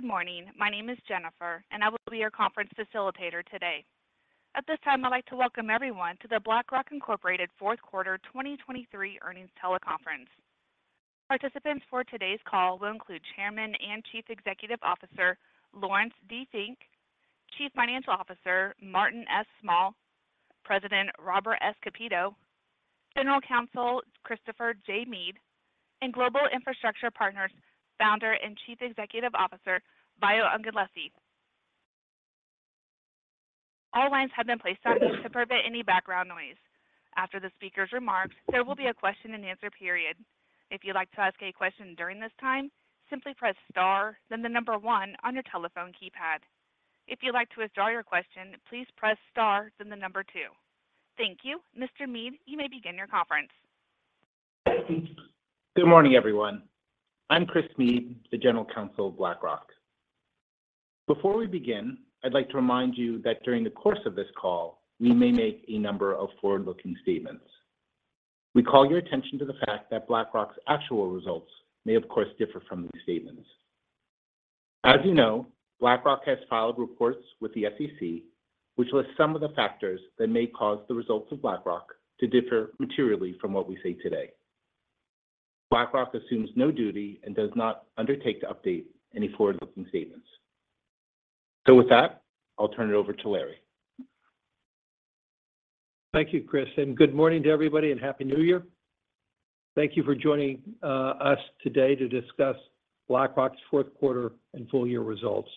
Good morning. My name is Jennifer, and I will be your Conference Facilitator today. At this time, I'd like to welcome everyone to the BlackRock Incorporated Fourth Quarter 2023 Earnings Teleconference. Participants for today's call will include Chairman and Chief Executive Officer, Laurence D. Fink, Chief Financial Officer, Martin S. Small, President, Robert S. Kapito, General Counsel, Christopher J. Meade, and Global Infrastructure Partners, Founder and Chief Executive Officer, Bayo Ogunlesi. All lines have been placed on mute to prevent any background noise. After the speaker's remarks, there will be a question and answer period. If you'd like to ask a question during this time, simply press star, then 1 on your telephone keypad. If you'd like to withdraw your question, please press star, then 2. Thank you. Mr. Meade, you may begin your conference. Good morning, everyone. I'm Chris Meade, the General Counsel of BlackRock. Before we begin, I'd like to remind you that during the course of this call, we may make a number of forward-looking statements. We call your attention to the fact that BlackRock's actual results may, of course, differ from these statements. As you know, BlackRock has filed reports with the SEC, which list some of the factors that may cause the results of BlackRock to differ materially from what we say today. BlackRock assumes no duty and does not undertake to update any forward-looking statements. So with that, I'll turn it over to Larry. Thank you, Chris, and good morning to everybody, and Happy New Year. Thank you for joining us today to discuss BlackRock's Fourth Quarter and Full Year Results.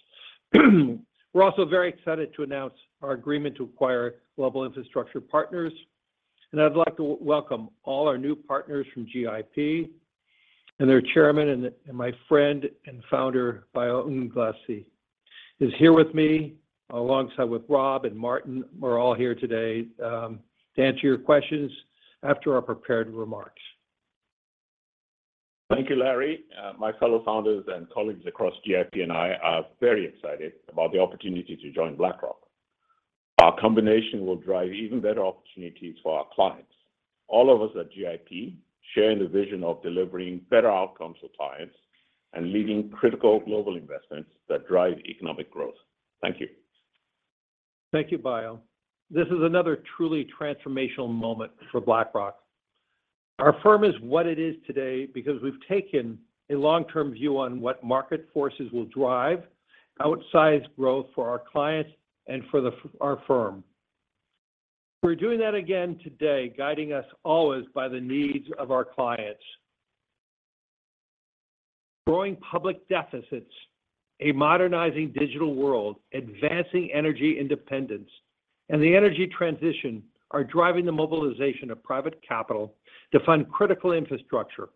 We're also very excited to announce our agreement to acquire Global Infrastructure Partners, and I'd like to welcome all our new partners from GIP and their chairman and my friend and founder, Bayo Ogunlesi, is here with me, alongside with Rob and Martin. We're all here today to answer your questions after our prepared remarks. Thank you, Larry. My fellow founders and colleagues across GIP and I are very excited about the opportunity to join BlackRock. Our combination will drive even better opportunities for our clients. All of us at GIP share in the vision of delivering better outcomes for clients and leading critical global investments that drive economic growth. Thank you. Thank you, Bayo. This is another truly transformational moment for BlackRock. Our firm is what it is today because we've taken a long-term view on what market forces will drive outsized growth for our clients and for our firm. We're doing that again today, guiding us always by the needs of our clients. Growing public deficits, a modernizing digital world, advancing energy independence, and the energy transition are driving the mobilization of private capital to fund critical infrastructure.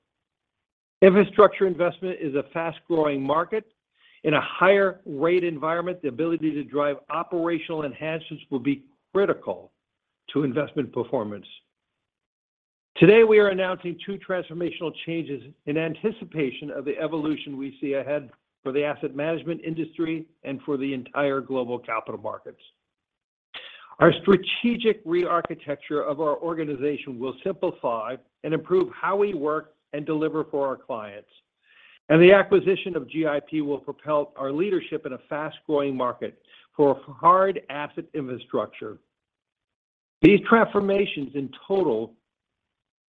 Infrastructure investment is a fast-growing market. In a higher rate environment, the ability to drive operational enhancements will be critical to investment performance. Today, we are announcing two transformational changes in anticipation of the evolution we see ahead for the asset management industry and for the entire global capital markets. Our strategic rearchitecture of our organization will simplify and improve how we work and deliver for our clients, and the acquisition of GIP will propel our leadership in a fast-growing market for hard asset infrastructure. These transformations in total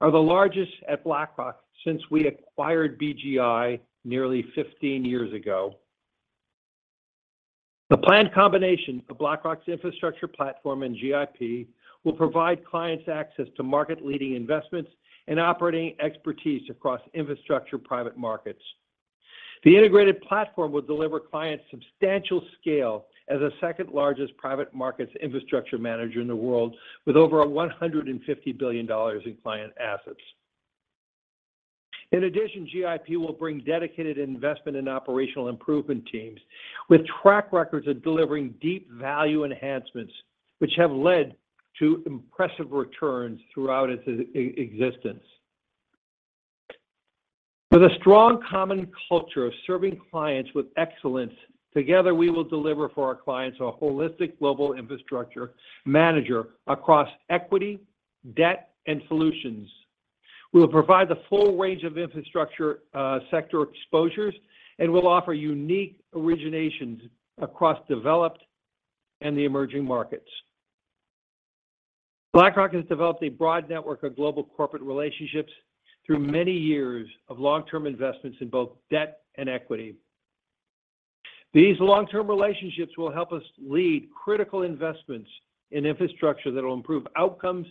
are the largest at BlackRock since we acquired BGI nearly 15 years ago. The planned combination of BlackRock's infrastructure platform and GIP will provide clients access to market-leading investments and operating expertise across infrastructure private markets. The integrated platform will deliver clients substantial scale as the second-largest private markets infrastructure manager in the world, with over $150 billion in client assets. In addition, GIP will bring dedicated investment and operational improvement teams with track records of delivering deep value enhancements, which have led to impressive returns throughout its existence. With a strong common culture of serving clients with excellence, together, we will deliver for our clients a holistic global infrastructure manager across equity, debt, and solutions. We will provide the full range of infrastructure, sector exposures, and we'll offer unique originations across developed and emerging markets. BlackRock has developed a broad network of global corporate relationships through many years of Long-Term Investments in both debt and equity. These long-term relationships will help us lead critical investments in infrastructure that will improve outcomes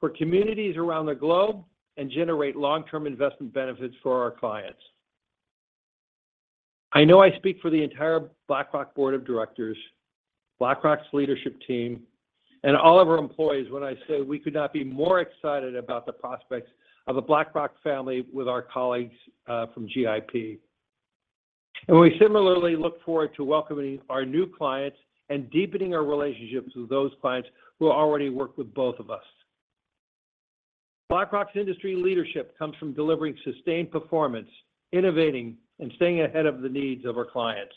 for communities around the globe and generate long-term investment benefits for our clients. I know I speak for the entire BlackRock Board of Directors, BlackRock's leadership team, and all of our employees when I say we could not be more excited about the prospects of a BlackRock family with our colleagues, from GIP. We similarly look forward to welcoming our new clients and deepening our relationships with those clients who already work with both of us. BlackRock's Industry leadership comes from delivering sustained performance, innovating, and staying ahead of the needs of our clients.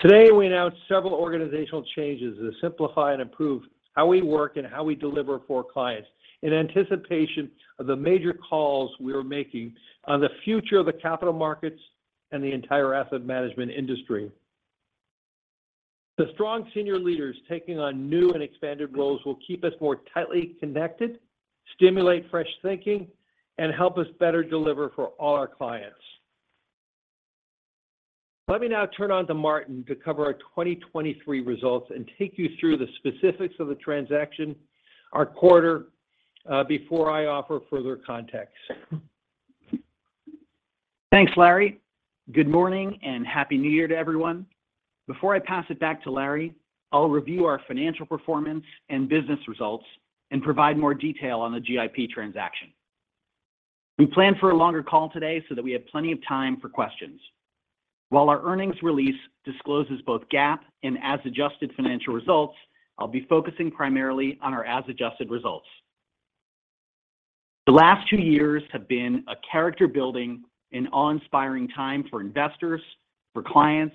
Today, we announced several organizational changes to simplify and improve how we work and how we deliver for clients in anticipation of the major calls we are making on the future of the capital markets and the entire asset management industry. The strong senior leaders taking on new and expanded roles will keep us more tightly connected, stimulate fresh thinking, and help us better deliver for all our clients. Let me now turn on to Martin to cover our 2023 results and take you through the specifics of the transaction, our quarter, before I offer further context. Thanks, Larry. Good morning, and Happy New Year to everyone. Before I pass it back to Larry, I'll review our financial performance and business results and provide more detail on the GIP transaction. We planned for a longer call today so that we have plenty of time for questions. While our earnings release discloses both GAAP and as-adjusted financial results, I'll be focusing primarily on our as adjusted results. The last two years have been a character-building and awe-inspiring time for investors, for clients,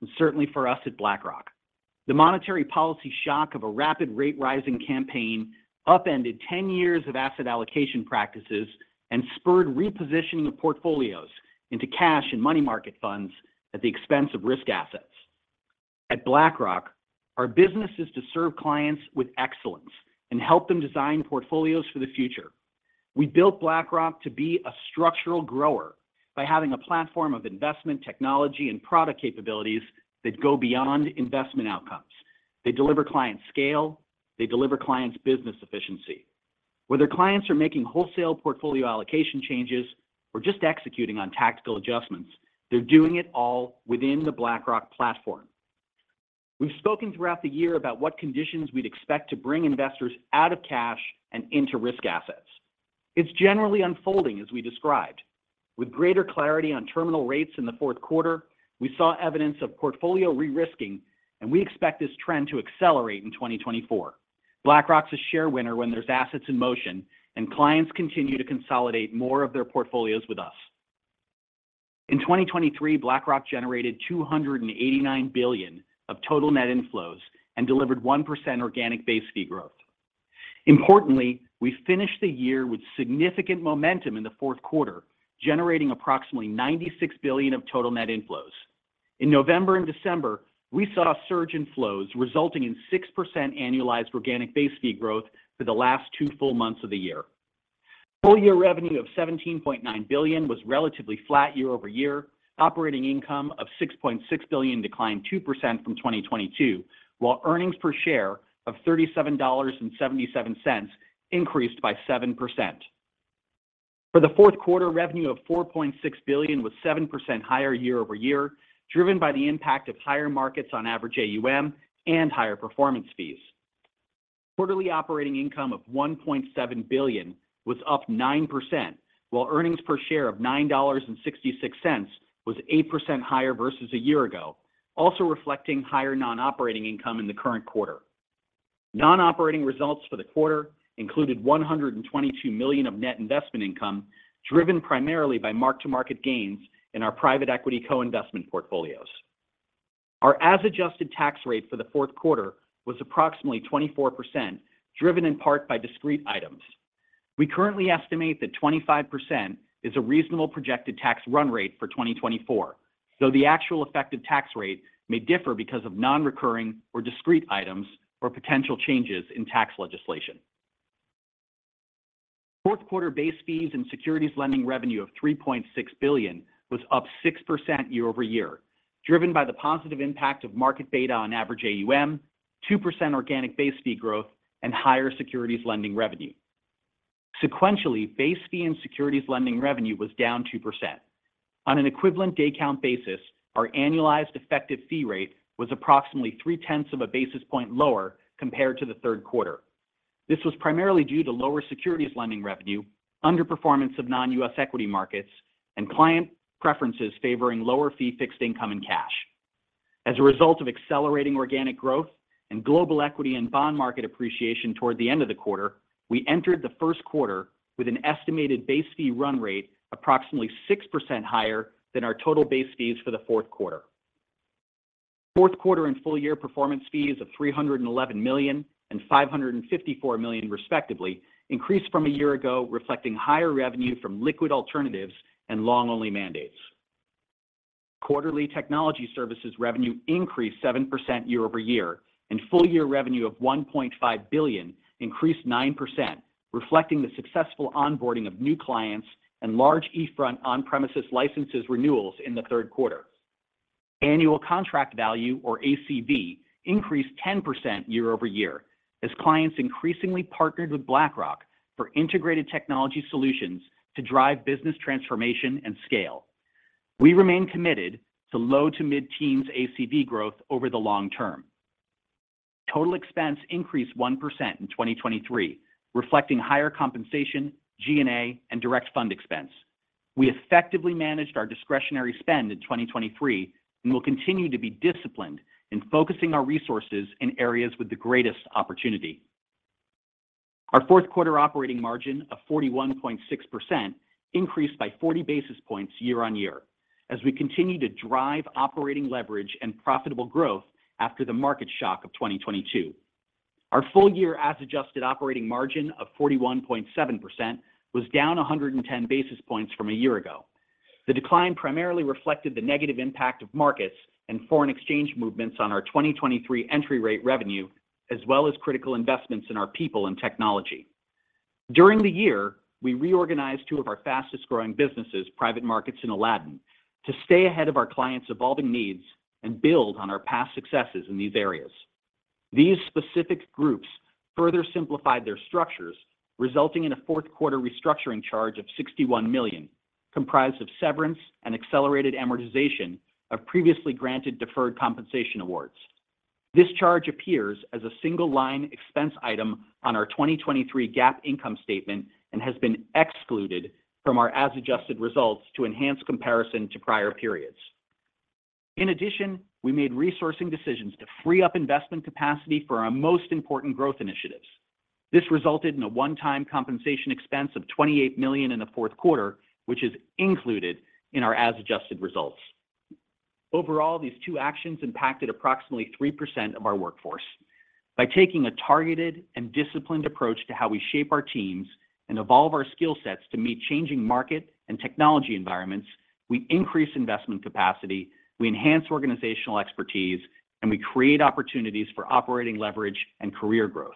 and certainly for us at BlackRock. The monetary policy shock of a rapid rate-rising campaign upended ten years of asset allocation practices and spurred repositioning of portfolios into cash and money market funds at the expense of risk assets. At BlackRock, our business is to serve clients with excellence and help them design portfolios for the future. We built BlackRock to be a structural grower by having a platform of investment, technology, and product capabilities that go beyond investment outcomes. They deliver clients scale, they deliver clients business efficiency. Whether clients are making wholesale portfolio allocation changes or just executing on tactical adjustments, they're doing it all within the BlackRock platform. We've spoken throughout the year about what conditions we'd expect to bring investors out of cash and into risk assets. It's generally unfolding as we described. With greater clarity on terminal rates in the fourth quarter, we saw evidence of portfolio re-risking, and we expect this trend to accelerate in 2024. BlackRock's a share winner when there's assets in motion, and clients continue to consolidate more of their portfolios with us. In 2023, BlackRock generated $289 billion of total net inflows and delivered 1% organic base fee growth. Importantly, we finished the year with significant momentum in the fourth quarter, generating approximately $96 billion of total net inflows. In November and December, we saw a surge in flows, resulting in 6% annualized organic base fee growth for the last two full months of the year. Full-year revenue of $17.9 billion was relatively flat year-over-year. Operating income of $6.6 billion declined 2% from 2022, while earnings per share of $37.77 increased by 7%. For the Fourth Quarter, Revenue of $4.6 billion was 7% higher year-over-year, driven by the impact of higher markets on average AUM and higher performance fees. Quarterly Operating Income of $1.7 billion was up 9%, while earnings per share of $9.66 was 8% higher versus a year ago, also reflecting higher non-operating income in the current quarter. Non-operating results for the quarter included $122 million of net investment income, driven primarily by mark-to-market gains in our private equity co-investment portfolios. Our as-adjusted tax rate for the fourth quarter was approximately 24%, driven in part by discrete items. We currently estimate that 25% is a reasonable projected tax run rate for 2024, though the actual effective tax rate may differ because of non-recurring or discrete items or potential changes in tax legislation. Fourth quarter base fees and securities lending revenue of $3.6 billion was up 6% year-over-year, driven by the positive impact of market beta on average AUM, 2% organic base fee growth, and higher securities lending revenue. Sequentially, base fee and securities lending revenue was down 2%. On an equivalent day count basis, our annualized effective fee rate was approximately 0.3 basis points lower compared to the third quarter. This was primarily due to lower securities lending revenue, underperformance of non-U.S. equity markets, and client preferences favoring lower fee fixed income and cash. As a result of accelerating organic growth and global equity and bond market appreciation toward the end of the quarter, we entered the first quarter with an estimated base fee run rate approximately 6% higher than our total base fees for the fourth quarter. Fourth quarter and full-year performance fees of $311 million and $554 million, respectively, increased from a year ago, reflecting higher revenue from liquid alternatives and long-only mandates. Quarterly technology services revenue increased 7% year-over-year, and full-year revenue of $1.5 billion increased 9%, reflecting the successful onboarding of new clients and large eFront on-premises licenses renewals in the third quarter. Annual contract value, or ACV, increased 10% year-over-year as clients increasingly partnered with BlackRock for integrated technology solutions to drive business transformation and scale. We remain committed to low- to mid-teens ACV growth over the long term. Total expense increased 1% in 2023, reflecting higher compensation, G&A, and direct fund expense. We effectively managed our discretionary spend in 2023 and will continue to be disciplined in focusing our resources in areas with the greatest opportunity. Our fourth quarter operating margin of 41.6% increased by 40 basis points year-on-year, as we continue to drive operating leverage and profitable growth after the market shock of 2022. Our full year as-adjusted operating margin of 41.7% was down 110 basis points from a year ago. The decline primarily reflected the negative impact of markets and foreign exchange movements on our 2023 entry rate revenue, as well as critical investments in our people and technology. During the year, we reorganized two of our fastest-growing businesses, Private Markets and Aladdin, to stay ahead of our clients' evolving needs and build on our past successes in these areas. These specific groups further simplified their structures, resulting in a fourth quarter restructuring charge of $61 million, comprised of severance and accelerated amortization of previously granted deferred compensation awards. This charge appears as a single-line expense item on our 2023 GAAP income statement and has been excluded from our as-adjusted results to enhance comparison to prior periods. In addition, we made resourcing decisions to free up investment capacity for our most important growth initiatives. This resulted in a one-time compensation expense of $28 million in the fourth quarter, which is included in our as-adjusted results. Overall, these two actions impacted approximately 3% of our workforce. By taking a targeted and disciplined approach to how we shape our teams and evolve our skill sets to meet changing market and technology environments, we increase investment capacity, we enhance organizational expertise, and we create opportunities for operating leverage and career growth.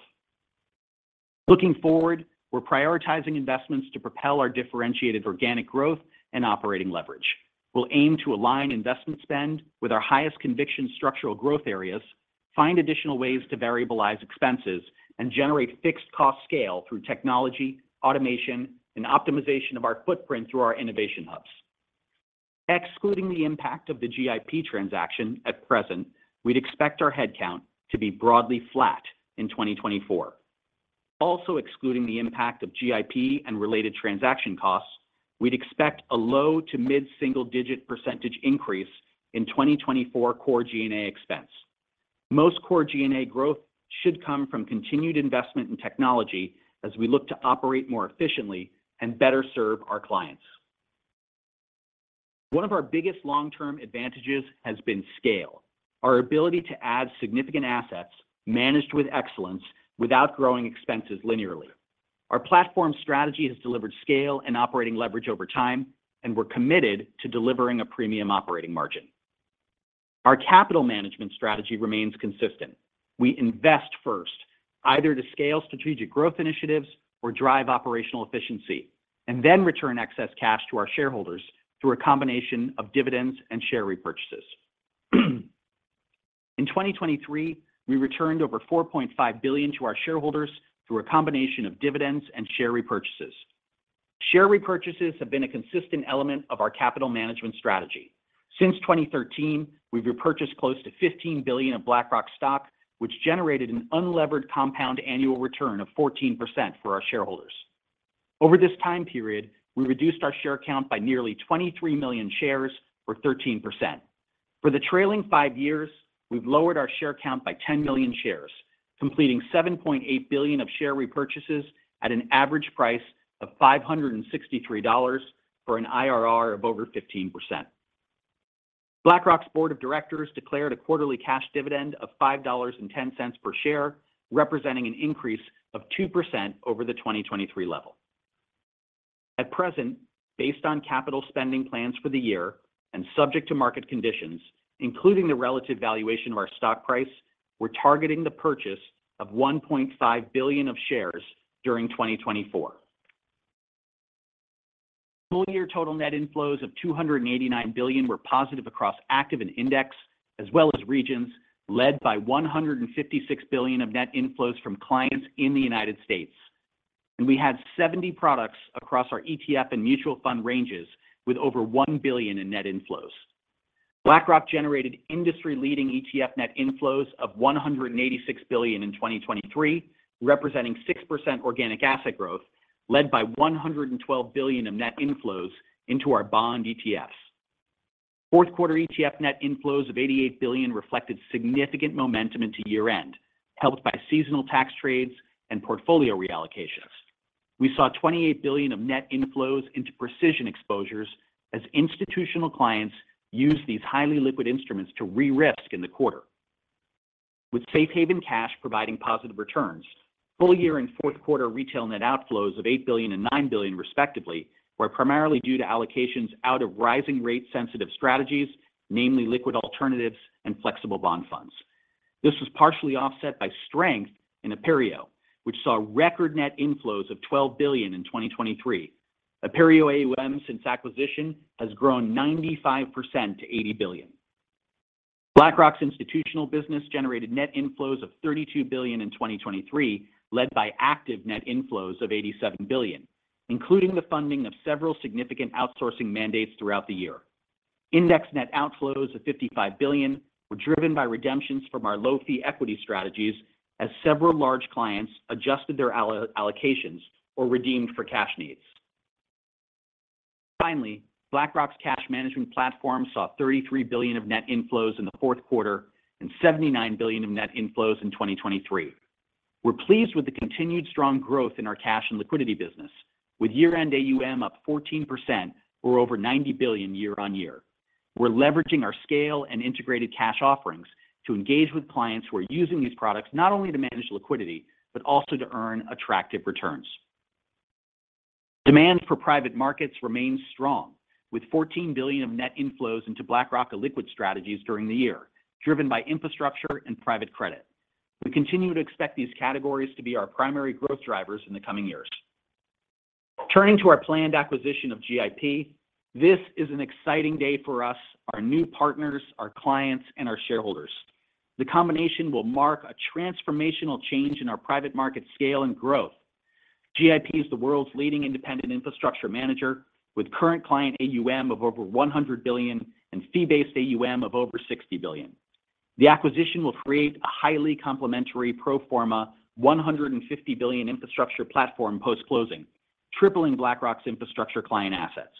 Looking forward, we're prioritizing investments to propel our differentiated organic growth and operating leverage. We'll aim to align investment spend with our highest conviction structural growth areas, find additional ways to variabilize expenses, and generate fixed cost scale through technology, automation, and optimization of our footprint through our innovation hubs. Excluding the impact of the GIP transaction at present, we'd expect our headcount to be broadly flat in 2024. Also excluding the impact of GIP and related transaction costs, we'd expect a low- to mid-single-digit % increase in 2024 core G&A expense. Most core G&A growth should come from continued investment in technology as we look to operate more efficiently and better serve our clients. One of our biggest long-term advantages has been scale. Our ability to add significant assets, managed with excellence, without growing expenses linearly. Our platform strategy has delivered scale and operating leverage over time, and we're committed to delivering a premium operating margin. Our capital management strategy remains consistent. We invest first, either to scale strategic growth initiatives or drive operational efficiency, and then return excess cash to our shareholders through a combination of dividends and share repurchases. In 2023, we returned over $4.5 billion to our shareholders through a combination of dividends and share repurchases. Share repurchases have been a consistent element of our capital management strategy. Since 2013, we've repurchased close to $15 billion of BlackRock stock, which generated an unlevered compound annual return of 14% for our shareholders. Over this time period, we reduced our share count by nearly 23 million shares, or 13%. For the trailing five years, we've lowered our share count by 10 million shares, completing $7.8 billion of share repurchases at an average price of $563 for an IRR of over 15%. BlackRock's Board of Directors declared a quarterly cash dividend of $5.10 per share, representing an increase of 2% over the 2023 level. At present, based on capital spending plans for the year and subject to market conditions, including the relative valuation of our stock price, we're targeting the purchase of $1.5 billion of shares during 2024. Full year total net inflows of $289 billion were positive across active and index, as well as regions, led by $156 billion of net inflows from clients in the United States. We had 70 products across our ETF and mutual fund ranges with over $1 billion in net inflows. BlackRock generated industry-leading ETF net inflows of $186 billion in 2023, representing 6% organic asset growth, led by $112 billion of net inflows into our bond ETFs. Fourth quarter ETF net inflows of $88 billion reflected significant momentum into year-end, helped by seasonal tax trades and portfolio reallocations. We saw $28 billion of net inflows into precision exposures as institutional clients used these highly liquid instruments to re-risk in the quarter. With Safe Haven Cash providing positive returns, full year and fourth quarter retail net outflows of $8 billion and $9 billion, respectively, were primarily due to allocations out of rising rate-sensitive strategies, namely liquid alternatives and flexible bond funds. This was partially offset by strength in Aperio, which saw record net inflows of $12 billion in 2023. Aperio AUM, since acquisition, has grown 95% to $80 billion. BlackRock's institutional business generated net inflows of $32 billion in 2023, led by active net inflows of $87 billion, including the funding of several significant outsourcing mandates throughout the year. Index net outflows of $55 billion were driven by redemptions from our low-fee equity strategies, as several large clients adjusted their allocations or redeemed for cash needs. Finally, BlackRock's cash management platform saw $33 billion of net inflows in the fourth quarter and $79 billion of net inflows in 2023. We're pleased with the continued strong growth in our cash and liquidity business, with year-end AUM up 14% or over $90 billion year-over-year. We're leveraging our scale and integrated cash offerings to engage with clients who are using these products, not only to manage liquidity, but also to earn attractive returns. Demand for private markets remains strong, with $14 billion of net inflows into BlackRock Illiquid strategies during the year, driven by infrastructure and private credit. We continue to expect these categories to be our primary growth drivers in the coming years. Turning to our planned acquisition of GIP, this is an exciting day for us, our new partners, our clients, and our shareholders. The combination will mark a transformational change in our private market scale and growth. GIP is the world's leading independent infrastructure manager, with current client AUM of over $100 billion and fee-based AUM of over $60 billion. The acquisition will create a highly complementary pro forma $150 billion infrastructure platform post-closing, tripling BlackRock's infrastructure client assets.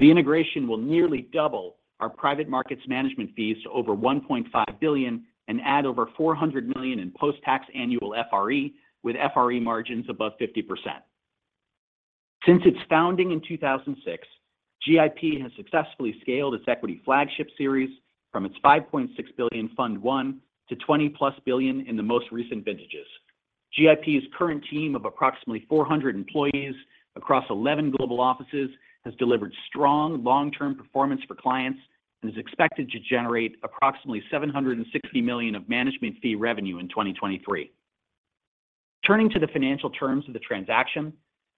The integration will nearly double our private markets management fees to over $1.5 billion and add over $400 million in post-tax annual FRE, with FRE margins above 50%. Since its founding in 2006, GIP has successfully scaled its equity flagship series from its $5.6 billion Fund one to $20+ billion in the most recent vintages. GIP's current team of approximately 400 employees across 11 global offices has delivered strong long-term performance for clients and is expected to generate approximately $760 million of management fee revenue in 2023. Turning to the financial terms of the transaction,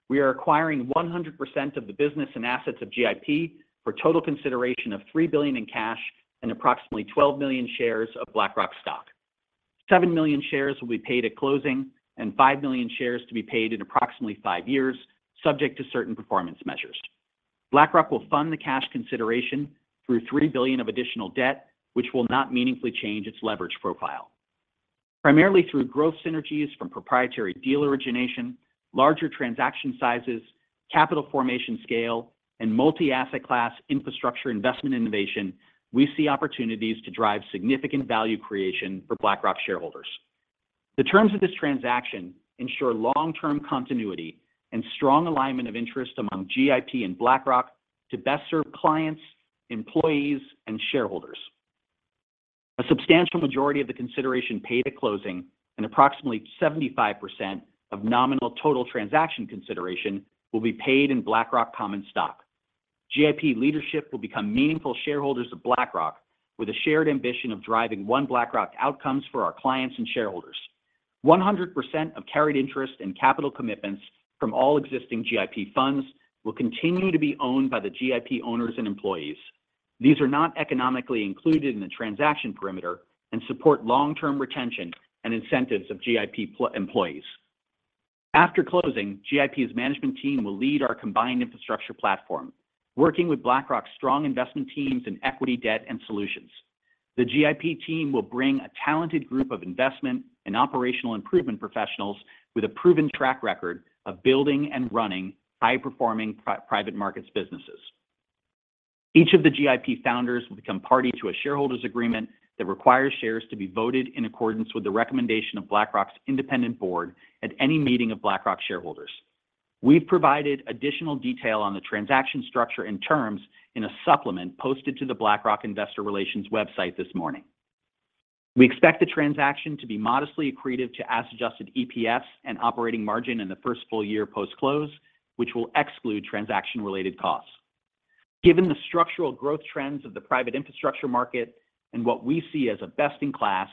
we are acquiring 100% of the business and assets of GIP for total consideration of $3 billion in cash and approximately 12 million shares of BlackRock stock. 7 million shares will be paid at closing and 5 million shares to be paid in approximately 5 years, subject to certain performance measures. BlackRock will fund the cash consideration through $3 billion of additional debt, which will not meaningfully change its leverage profile. Primarily through growth synergies from proprietary deal origination, larger transaction sizes, capital formation scale, and multi-asset class infrastructure investment innovation, we see opportunities to drive significant value creation for BlackRock shareholders. The terms of this transaction ensure long-term continuity and strong alignment of interest among GIP and BlackRock to best serve clients, employees, and shareholders. A substantial majority of the consideration paid at closing and approximately 75% of nominal total transaction consideration will be paid in BlackRock common stock. GIP leadership will become meaningful shareholders of BlackRock, with a shared ambition of driving one BlackRock outcomes for our clients and shareholders. 100% of carried interest and capital commitments from all existing GIP funds will continue to be owned by the GIP owners and employees. These are not economically included in the transaction perimeter and support long-term retention and incentives of GIP employees. After closing, GIP's management team will lead our combined infrastructure platform, working with BlackRock's strong investment teams in equity, debt, and solutions. The GIP team will bring a talented group of investment and operational improvement professionals with a proven track record of building and running high-performing private markets businesses. Each of the GIP founders will become party to a shareholders agreement that requires shares to be voted in accordance with the recommendation of BlackRock's independent board at any meeting of BlackRock shareholders. We've provided additional detail on the transaction structure and terms in a supplement posted to the BlackRock Investor Relations website this morning. We expect the transaction to be modestly accretive to as-adjusted EPS and operating margin in the first full year post-close, which will exclude transaction-related costs. Given the structural growth trends of the private infrastructure market and what we see as a best-in-class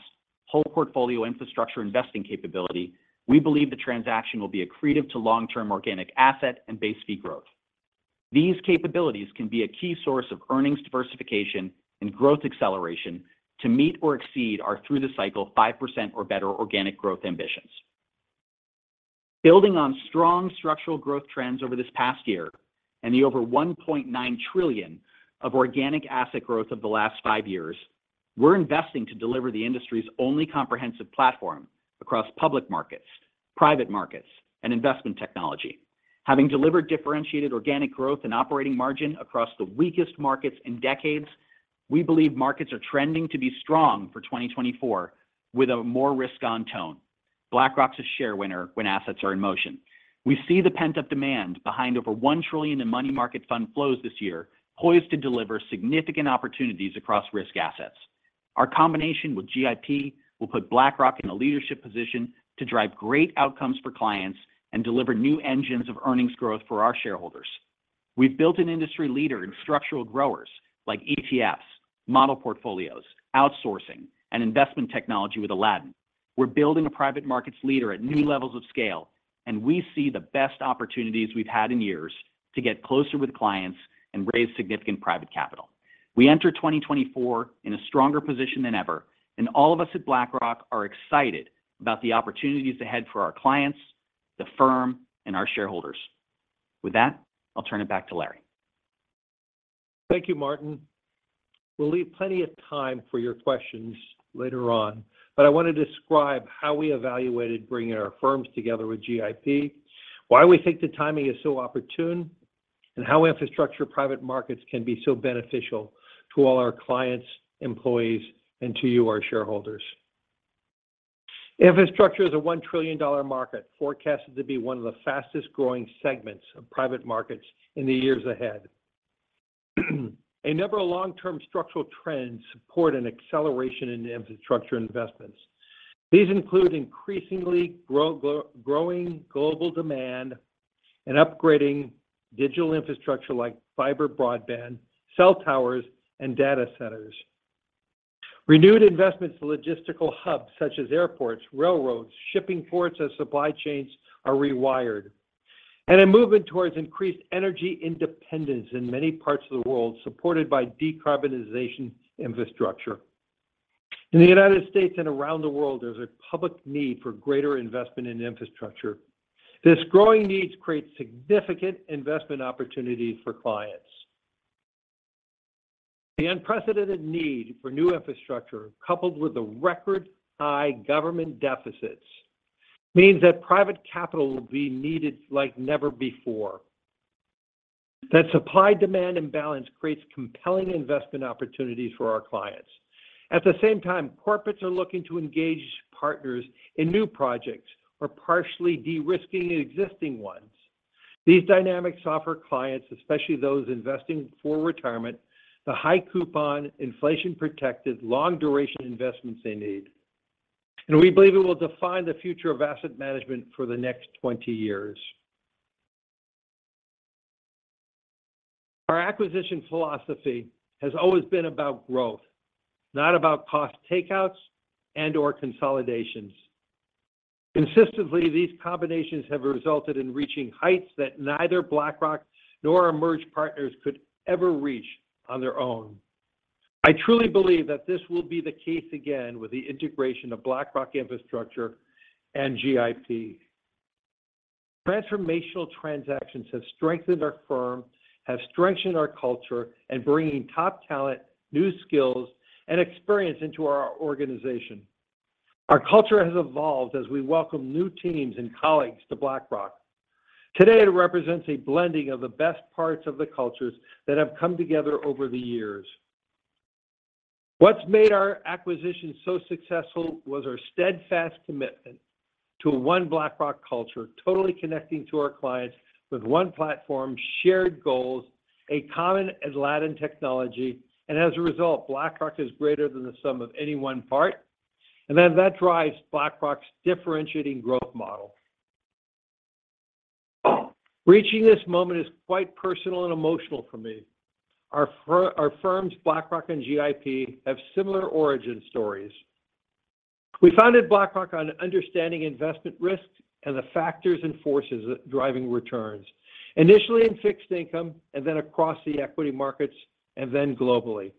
whole portfolio infrastructure investing capability, we believe the transaction will be accretive to long-term organic asset and base fee growth. These capabilities can be a key source of earnings diversification and growth acceleration to meet or exceed our through-the-cycle 5% or better organic growth ambitions. Building on strong structural growth trends over this past year and the over $1.9 trillion of organic asset growth of the last 5 years, we're investing to deliver the industry's only comprehensive platform across public markets, private markets, and investment technology. Having delivered differentiated organic growth and operating margin across the weakest markets in decades, we believe markets are trending to be strong for 2024, with a more risk-on tone. BlackRock's a share winner when assets are in motion. We see the pent-up demand behind over $1 trillion in money market fund flows this year, poised to deliver significant opportunities across risk assets. Our combination with GIP will put BlackRock in a leadership position to drive great outcomes for clients and deliver new engines of earnings growth for our shareholders. We've built an industry leader in structural growers like ETFs, model portfolios, outsourcing, and investment technology with Aladdin. We're building a private markets leader at new levels of scale, and we see the best opportunities we've had in years to get closer with clients and raise significant private capital. We enter 2024 in a stronger position than ever, and all of us at BlackRock are excited about the opportunities ahead for our clients, the firm, and our shareholders. With that, I'll turn it back to Larry.... Thank you, Martin. We'll leave plenty of time for your questions later on, but I want to describe how we evaluated bringing our firms together with GIP, why we think the timing is so opportune, and how infrastructure private markets can be so beneficial to all our clients, employees, and to you, our shareholders. Infrastructure is a $1 trillion market, forecasted to be one of the fastest-growing segments of private markets in the years ahead. A number of long-term structural trends support an acceleration in infrastructure investments. These include increasingly growing global demand and upgrading digital infrastructure like fiber broadband, cell towers, and data centers. Renewed investments in logistical hubs such as airports, railroads, shipping ports as supply chains are rewired, and a movement towards increased energy independence in many parts of the world, supported by decarbonization infrastructure. In the United States and around the world, there's a public need for greater investment in infrastructure. This growing need creates significant investment opportunities for clients. The unprecedented need for new infrastructure, coupled with the record-high government deficits, means that private capital will be needed like never before. That supply-demand imbalance creates compelling investment opportunities for our clients. At the same time, corporates are looking to engage partners in new projects or partially de-risking existing ones. These dynamics offer clients, especially those investing for retirement, the high coupon, inflation-protected, long-duration investments they need. We believe it will define the future of asset management for the next 20 years. Our acquisition philosophy has always been about growth, not about cost takeouts and/or consolidations. Consistently, these combinations have resulted in reaching heights that neither BlackRock nor our merged partners could ever reach on their own. I truly believe that this will be the case again with the integration of BlackRock Infrastructure and GIP. Transformational transactions have strengthened our firm, have strengthened our culture, and bringing top talent, new skills, and experience into our organization. Our culture has evolved as we welcome new teams and colleagues to BlackRock. Today, it represents a blending of the best parts of the cultures that have come together over the years. What's made our acquisition so successful was our steadfast commitment to one BlackRock culture, totally connecting to our clients with one platform, shared goals, a common Aladdin technology, and as a result, BlackRock is greater than the sum of any one part, and then that drives BlackRock's differentiating growth model. Reaching this moment is quite personal and emotional for me. Our firms, BlackRock and GIP, have similar origin stories. We founded BlackRock on understanding investment risks and the factors and forces driving returns, initially in fixed income, and then across the equity markets, and then globally.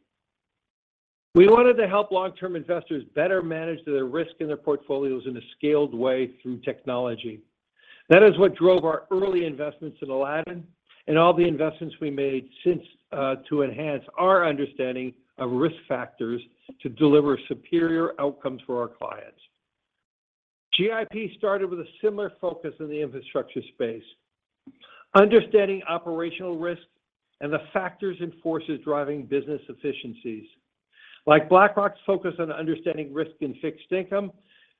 We wanted to help long-term investors better manage their risk in their portfolios in a scaled way through technology. That is what drove our early investments in Aladdin and all the investments we made since to enhance our understanding of risk factors to deliver superior outcomes for our clients. GIP started with a similar focus in the infrastructure space, understanding operational risks and the factors and forces driving business efficiencies. Like BlackRock's focus on understanding risk in fixed income,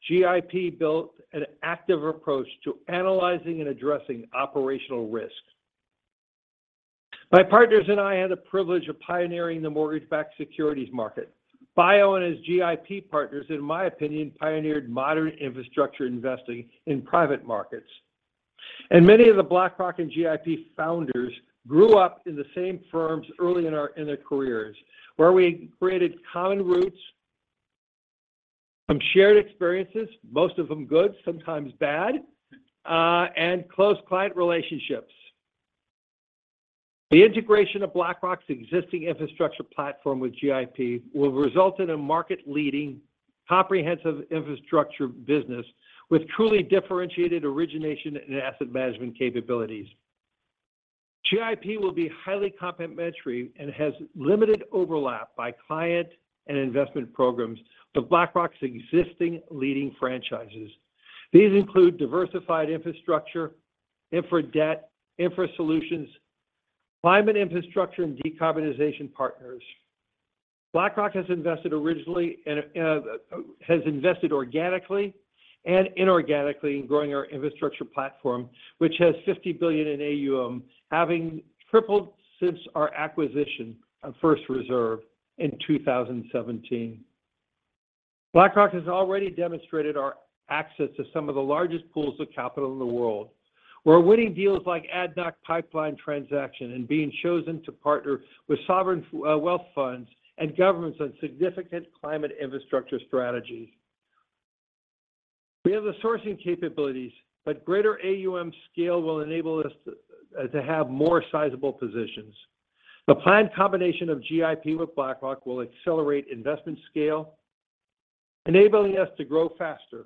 GIP built an active approach to analyzing and addressing operational risks. My partners and I had the privilege of pioneering the mortgage-backed securities market. Bayo and his GIP partners, in my opinion, pioneered modern infrastructure investing in private markets. Many of the BlackRock and GIP founders grew up in the same firms early in our, in their careers, where we created common roots, some shared experiences, most of them good, sometimes bad, and close client relationships. The integration of BlackRock's existing infrastructure platform with GIP will result in a market-leading, comprehensive infrastructure business with truly differentiated origination and asset management capabilities. GIP will be highly complementary and has limited overlap by client and investment programs with BlackRock's existing leading franchises. These include diversified infrastructure, infra debt, infra solutions, climate infrastructure, and decarbonization partners. BlackRock has invested originally and, has invested organically and inorganically in growing our infrastructure platform, which has $50 billion in AUM, having tripled since our acquisition of First Reserve in 2017. BlackRock has already demonstrated our access to some of the largest pools of capital in the world. We're winning deals like ADNOC Pipeline transaction and being chosen to partner with sovereign wealth funds and governments on significant climate infrastructure strategies. We have the sourcing capabilities, but greater AUM scale will enable us to, to have more sizable positions. The planned combination of GIP with BlackRock will accelerate investment scale.... enabling us to grow faster.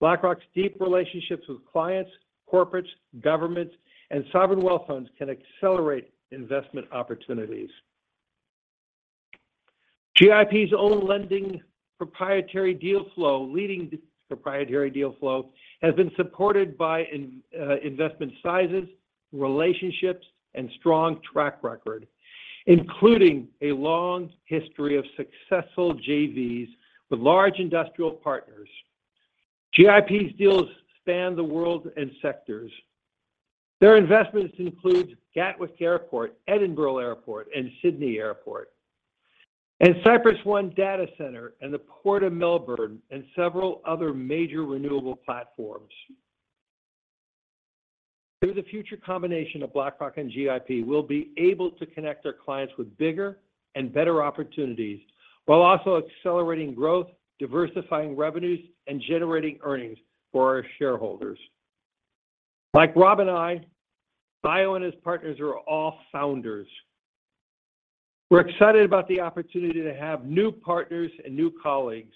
BlackRock's deep relationships with clients, corporates, governments, and sovereign wealth funds can accelerate investment opportunities. GIP's own lending proprietary deal flow, leading proprietary deal flow, has been supported by investment sizes, relationships, and strong track record, including a long history of successful JVs with large industrial partners. GIP's deals span the world and sectors. Their investments include Gatwick Airport, Edinburgh Airport, and Sydney Airport, and CyrusOne Data Center, and the Port of Melbourne, and several other major renewable platforms. Through the future combination of BlackRock and GIP, we'll be able to connect our clients with bigger and better opportunities, while also accelerating growth, diversifying revenues, and generating earnings for our shareholders. Like Rob and I, Bayo and his partners are all founders. We're excited about the opportunity to have new partners and new colleagues.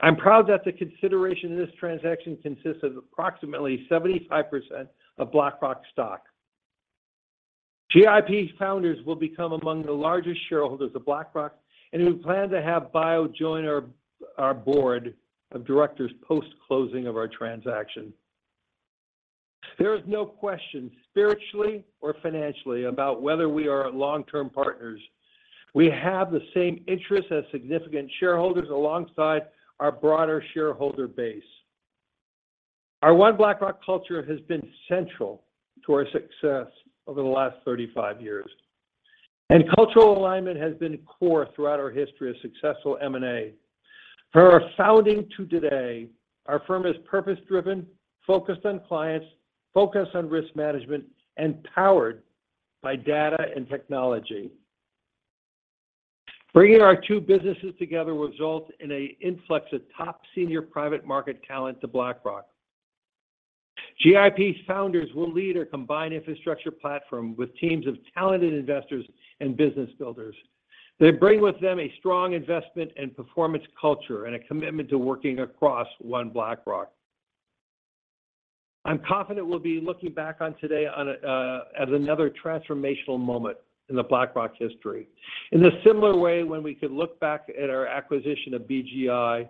I'm proud that the consideration of this transaction consists of approximately 75% of BlackRock's stock. GIP's founders will become among the largest shareholders of BlackRock, and we plan to have Bayo join our board of directors post-closing of our transaction. There is no question, spiritually or financially, about whether we are long-term partners. We have the same interests as significant shareholders alongside our broader shareholder base. Our One BlackRock culture has been central to our success over the last 35 years, and cultural alignment has been core throughout our history of successful M&A. From our founding to today, our firm is purpose-driven, focused on clients, focused on risk management, and powered by data and technology. Bringing our two businesses together will result in an influx of top senior private market talent to BlackRock. GIP's founders will lead a combined infrastructure platform with teams of talented investors and business builders. They bring with them a strong investment and performance culture and a commitment to working across One BlackRock. I'm confident we'll be looking back on today on a, as another transformational moment in the BlackRock history. In a similar way, when we could look back at our acquisition of BGI,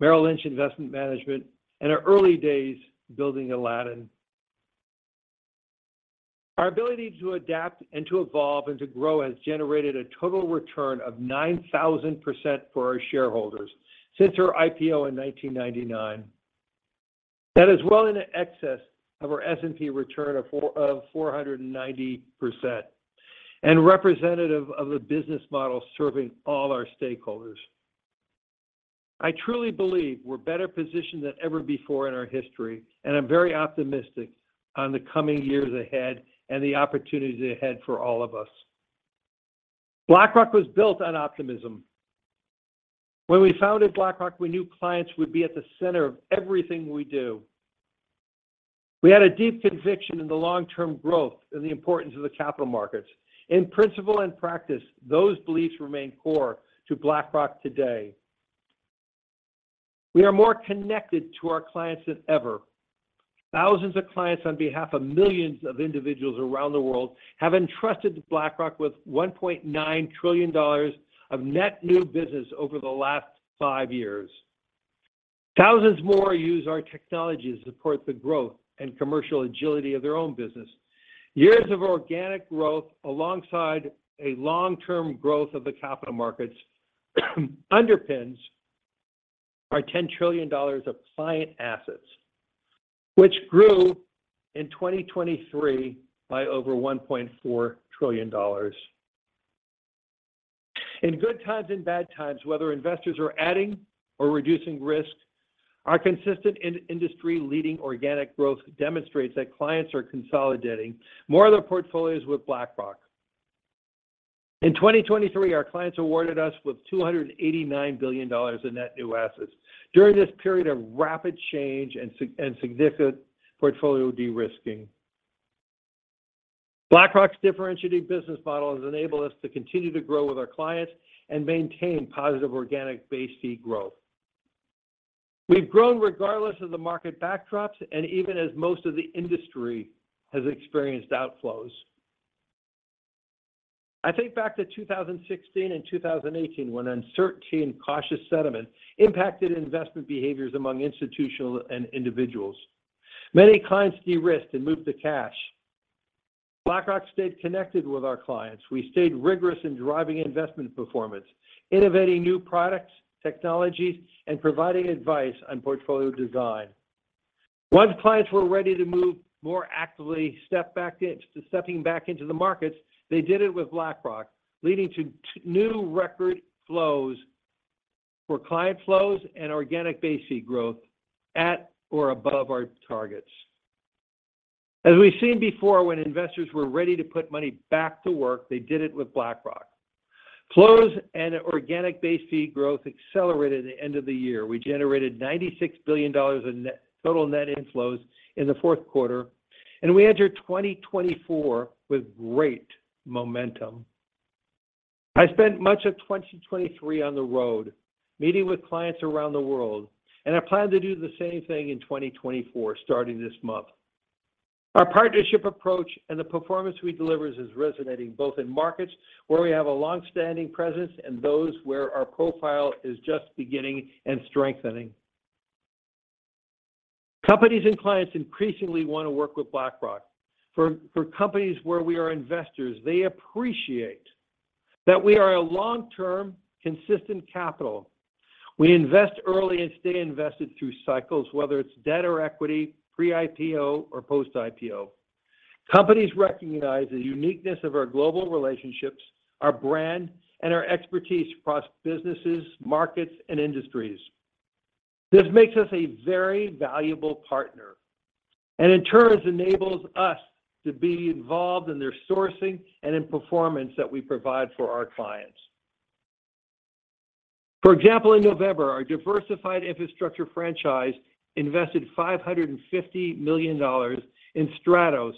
Merrill Lynch Investment Managers, and our early days building Aladdin. Our ability to adapt and to evolve and to grow has generated a total return of 9,000% for our shareholders since our IPO in 1999. That is well in excess of our S&P return of 490%, and representative of a business model serving all our stakeholders. I truly believe we're better positioned than ever before in our history, and I'm very optimistic on the coming years ahead and the opportunities ahead for all of us. BlackRock was built on optimism. When we founded BlackRock, we knew clients would be at the center of everything we do. We had a deep conviction in the long-term growth and the importance of the capital markets. In principle and practice, those beliefs remain core to BlackRock today. We are more connected to our clients than ever. Thousands of clients, on behalf of millions of individuals around the world, have entrusted BlackRock with $1.9 trillion of net new business over the last five years. Thousands more use our technology to support the growth and commercial agility of their own business. Years of organic growth, alongside a long-term growth of the capital markets, underpins our $10 trillion of client assets, which grew in 2023 by over $1.4 trillion. In good times and bad times, whether investors are adding or reducing risk, our consistent in-industry leading organic growth demonstrates that clients are consolidating more of their portfolios with BlackRock. In 2023, our clients awarded us with $289 billion in net new assets during this period of rapid change and significant portfolio de-risking. BlackRock's differentiating business model has enabled us to continue to grow with our clients and maintain positive organic base fee growth. We've grown regardless of the market backdrops and even as most of the industry has experienced outflows. I think back to 2016 and 2018, when uncertainty and cautious sentiment impacted investment behaviors among institutional and individuals. Many clients de-risked and moved to cash. BlackRock stayed connected with our clients. We stayed rigorous in driving investment performance, innovating new products, technologies, and providing advice on portfolio design. Once clients were ready to move more actively, stepping back into the markets, they did it with BlackRock, leading to new record flows for client flows and organic base fee growth at or above our targets. As we've seen before, when investors were ready to put money back to work, they did it with BlackRock. Flows and organic base fee growth accelerated at the end of the year. We generated $96 billion in total net inflows in the fourth quarter, and we entered 2024 with great momentum.... I spent much of 2023 on the road, meeting with clients around the world, and I plan to do the same thing in 2024, starting this month. Our partnership approach and the performance we deliver is resonating both in markets where we have a long-standing presence and those where our profile is just beginning and strengthening. Companies and clients increasingly want to work with BlackRock. For, for companies where we are investors, they appreciate that we are a long-term, consistent capital. We invest early and stay invested through cycles, whether it's debt or equity, pre-IPO or post-IPO. Companies recognize the uniqueness of our global relationships, our brand, and our expertise across businesses, markets, and industries. This makes us a very valuable partner, and in turn, enables us to be involved in their sourcing and in performance that we provide for our clients. For example, in November, our diversified infrastructure franchise invested $550 million in Stratos,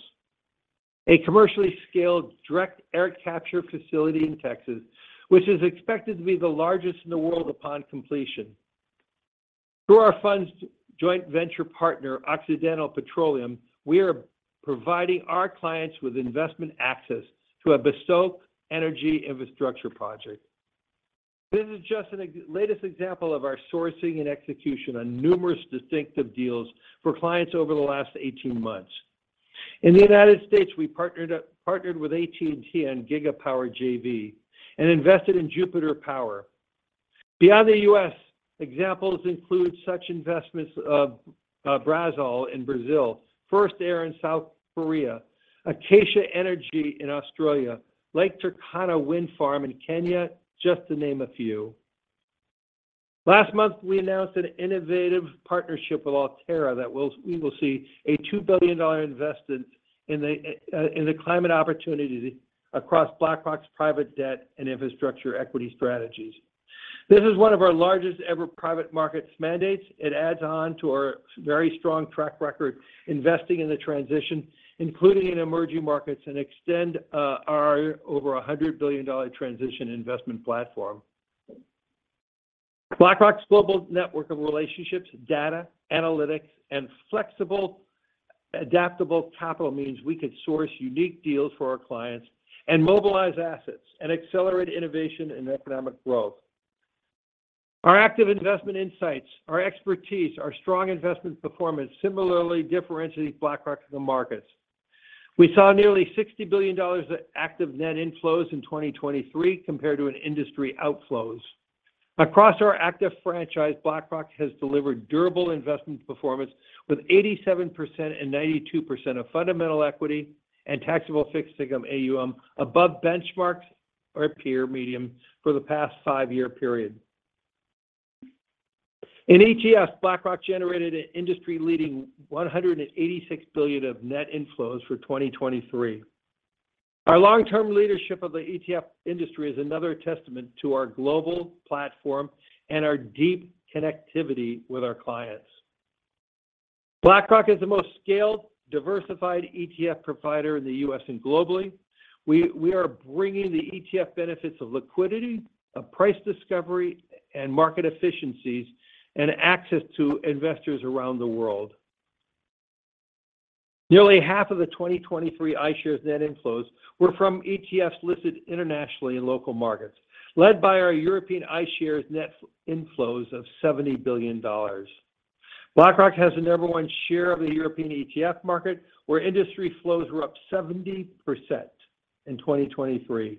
a commercially scaled direct air capture facility in Texas, which is expected to be the largest in the world upon completion. Through our fund's joint venture partner, Occidental Petroleum, we are providing our clients with investment access to a bespoke energy infrastructure project. This is just the latest example of our sourcing and execution on numerous distinctive deals for clients over the last 18 months. In the United States, we partnered with AT&T on GigaPower JV and invested in Jupiter Power. Beyond the US, examples include such investments of Brasol in Brazil, FirstAir in South Korea, Akaysha Energy in Australia, Lake Turkana Wind Farm in Kenya, just to name a few. Last month, we announced an innovative partnership with Altera that we will see a $2 billion investment in the climate opportunity across BlackRock's private debt and infrastructure equity strategies. This is one of our largest-ever private markets mandates. It adds on to our very strong track record investing in the transition, including in emerging markets, and extend our over $100 billion transition investment platform. BlackRock's global network of relationships, data, analytics, and flexible, adaptable capital means we can source unique deals for our clients and mobilize assets and accelerate innovation and economic growth. Our active investment insights, our expertise, our strong investment performance similarly differentiates BlackRock to the markets. We saw nearly $60 billion of active net inflows in 2023 compared to an industry outflows. Across our active franchise, BlackRock has delivered durable investment performance with 87% and 92% of fundamental equity and taxable fixed income AUM above benchmarks or peer median for the past five-year period. In ETFs, BlackRock generated an industry-leading $186 billion of net inflows for 2023. Our long-term leadership of the ETF industry is another testament to our global platform and our deep connectivity with our clients. BlackRock is the most scaled, diversified ETF provider in the U.S. and globally. We are bringing the ETF benefits of liquidity, of price discovery, and market efficiencies and access to investors around the world. Nearly half of the 2023 iShares net inflows were from ETFs listed internationally in local markets, led by our European iShares net inflows of $70 billion. BlackRock has the number one share of the European ETF market, where industry flows were up 70% in 2023.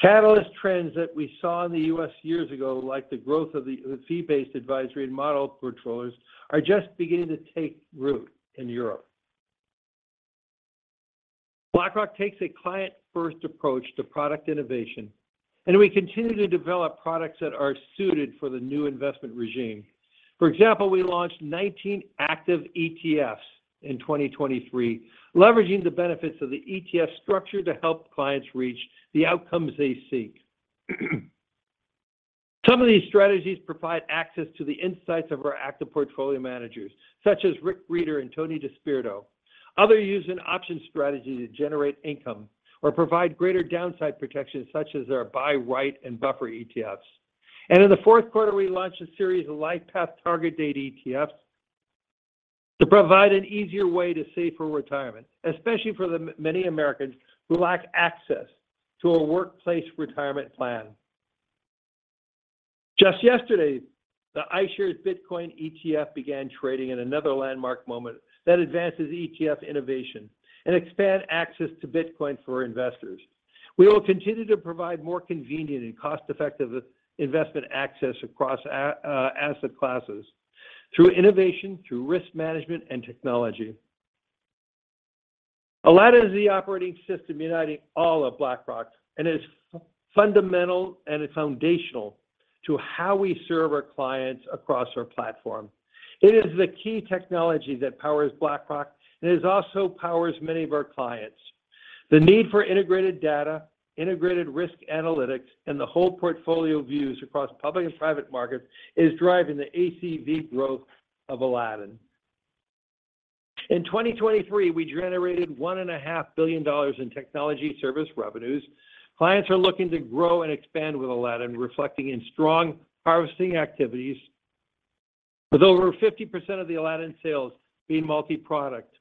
Catalyst trends that we saw in the U.S. years ago, like the growth of the fee-based advisory and model controllers, are just beginning to take root in Europe. BlackRock takes a client-first approach to product innovation, and we continue to develop products that are suited for the new investment regime. For example, we launched 19 active ETFs in 2023, leveraging the benefits of the ETF structure to help clients reach the outcomes they seek. Some of these strategies provide access to the insights of our active portfolio managers, such as Rick Rieder and Tony DeSpirito. Other use an option strategy to generate income or provide greater downside protection, such as our BuyWrite, and buffer ETFs. In the fourth quarter, we launched a series of LifePath Target Date ETFs to provide an easier way to save for retirement, especially for the many Americans who lack access to a workplace retirement plan. Just yesterday, the iShares Bitcoin ETF began trading in another landmark moment that advances ETF innovation and expand access to Bitcoin for investors. We will continue to provide more convenient and cost-effective investment access across asset classes through innovation, through risk management and technology. Aladdin is the operating system uniting all of BlackRock, and it is fundamental and foundational to how we serve our clients across our platform. It is the key technology that powers BlackRock, and it also powers many of our clients. The need for integrated data, integrated risk analytics, and the whole portfolio views across public and private markets is driving the ACV growth of Aladdin. In 2023, we generated $1.5 billion in technology service revenues. Clients are looking to grow and expand with Aladdin, reflecting in strong harvesting activities, with over 50% of the Aladdin sales being multi-product.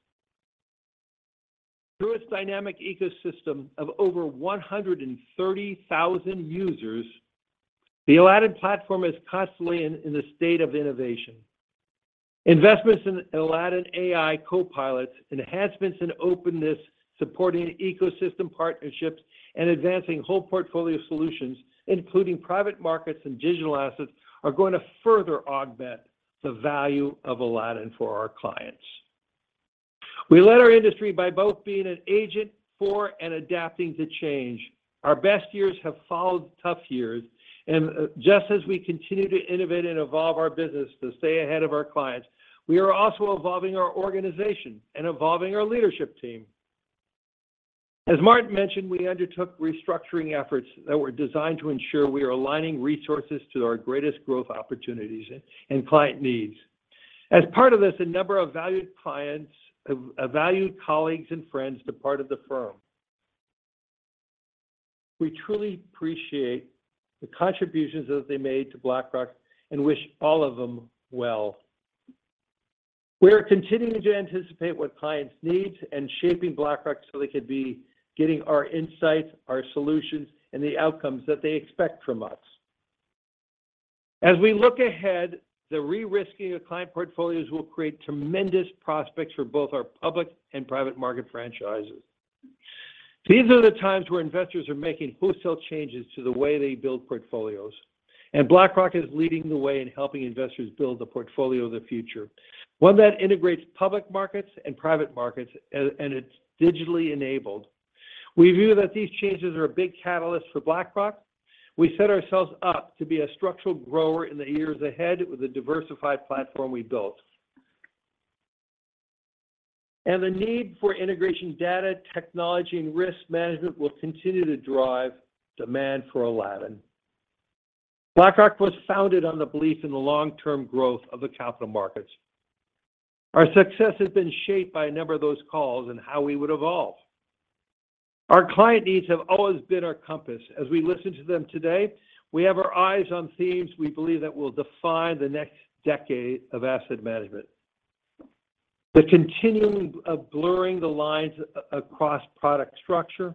Through its dynamic ecosystem of over 130,000 users, the Aladdin platform is constantly in a state of innovation. Investments in Aladdin AI Copilots, enhancements in openness, supporting ecosystem partnerships, and advancing whole portfolio solutions, including private markets and digital assets, are going to further augment the value of Aladdin for our clients. We led our industry by both being an agent for and adapting to change. Our best years have followed tough years, and just as we continue to innovate and evolve our business to stay ahead of our clients, we are also evolving our organization and evolving our leadership team. As Martin mentioned, we undertook restructuring efforts that were designed to ensure we are aligning resources to our greatest growth opportunities and client needs. As part of this, a number of valued clients, valued colleagues and friends departed the firm. We truly appreciate the contributions that they made to BlackRock and wish all of them well. We are continuing to anticipate what clients need and shaping BlackRock so they could be getting our insights, our solutions, and the outcomes that they expect from us. As we look ahead, the re-risking of client portfolios will create tremendous prospects for both our public and private market franchises. These are the times where investors are making wholesale changes to the way they build portfolios, and BlackRock is leading the way in helping investors build the portfolio of the future. One that integrates public markets and private markets, and it's digitally enabled. We view that these changes are a big catalyst for BlackRock. We set ourselves up to be a structural grower in the years ahead with the diversified platform we built. And the need for integration, data, technology, and risk management will continue to drive demand for Aladdin. BlackRock was founded on the belief in the long-term growth of the capital markets. Our success has been shaped by a number of those calls and how we would evolve. Our client needs have always been our compass. As we listen to them today, we have our eyes on themes we believe that will define the next decade of asset management. The continuing of blurring the lines across product structure,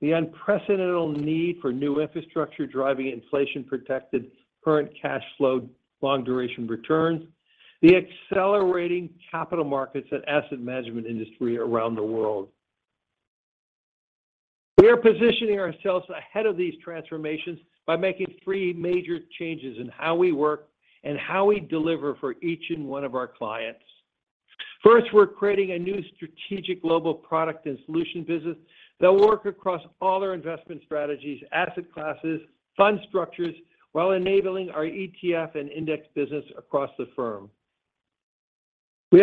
the unprecedented need for new infrastructure, driving inflation-protected, current cash flow, long-duration returns, the accelerating capital markets and asset management industry around the world. We are positioning ourselves ahead of these transformations by making three major changes in how we work and how we deliver for each and one of our clients. First, we're creating a new strategic global product and solution business that will work across all our investment strategies, asset classes, fund structures, while enabling our ETF and index business across the firm. We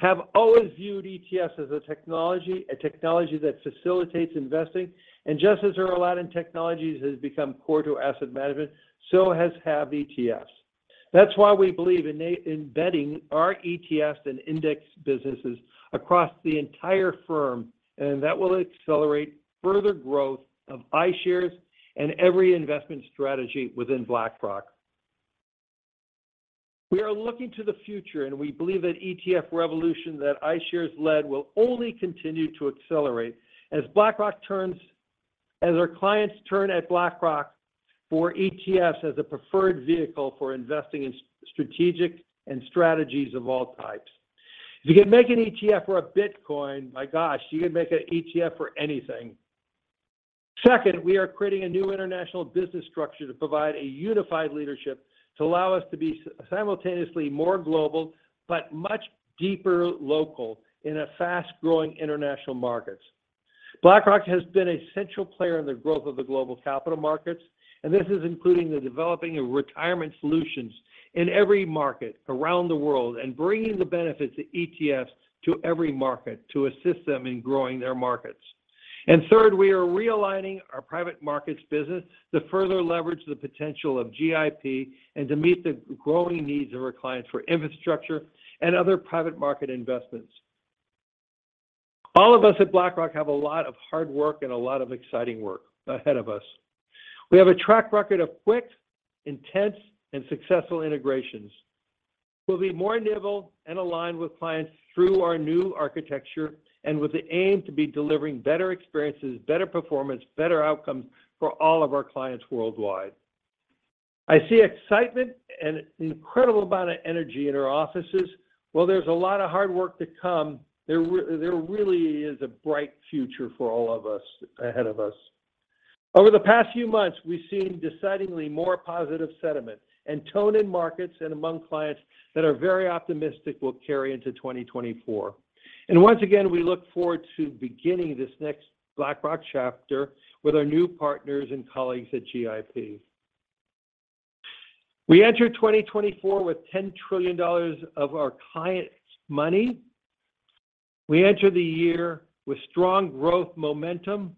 have always viewed ETFs as a technology, a technology that facilitates investing, and just as our Aladdin technologies has become core to asset management, so has have ETFs. That's why we believe in embedding our ETFs and index businesses across the entire firm, and that will accelerate further growth of iShares and every investment strategy within BlackRock. We are looking to the future, and we believe that ETF revolution that iShares led will only continue to accelerate as our clients turn to BlackRock for ETFs as a preferred vehicle for investing in strategic and strategies of all types. If you can make an ETF for a Bitcoin, my gosh, you can make an ETF for anything. Second, we are creating a new international business structure to provide a unified leadership, to allow us to be simultaneously more global, but much deeper local in a fast-growing international markets. BlackRock has been a central player in the growth of the global capital markets, and this is including the developing of retirement solutions in every market around the world and bringing the benefits of ETFs to every market to assist them in growing their markets. And third, we are realigning our private markets business to further leverage the potential of GIP and to meet the growing needs of our clients for infrastructure and other private market investments. All of us at BlackRock have a lot of hard work and a lot of exciting work ahead of us. We have a track record of quick, intense, and successful integrations. We'll be more nimble and aligned with clients through our new architecture and with the aim to be delivering better experiences, better performance, better outcomes for all of our clients worldwide. I see excitement and an incredible amount of energy in our offices. While there's a lot of hard work to come, there really is a bright future for all of us, ahead of us. Over the past few months, we've seen decidedly more positive sentiment and tone in markets and among clients that are very optimistic will carry into 2024. And once again, we look forward to beginning this next BlackRock chapter with our new partners and colleagues at GIP. We enter 2024 with $10 trillion of our clients' money. We enter the year with strong growth momentum....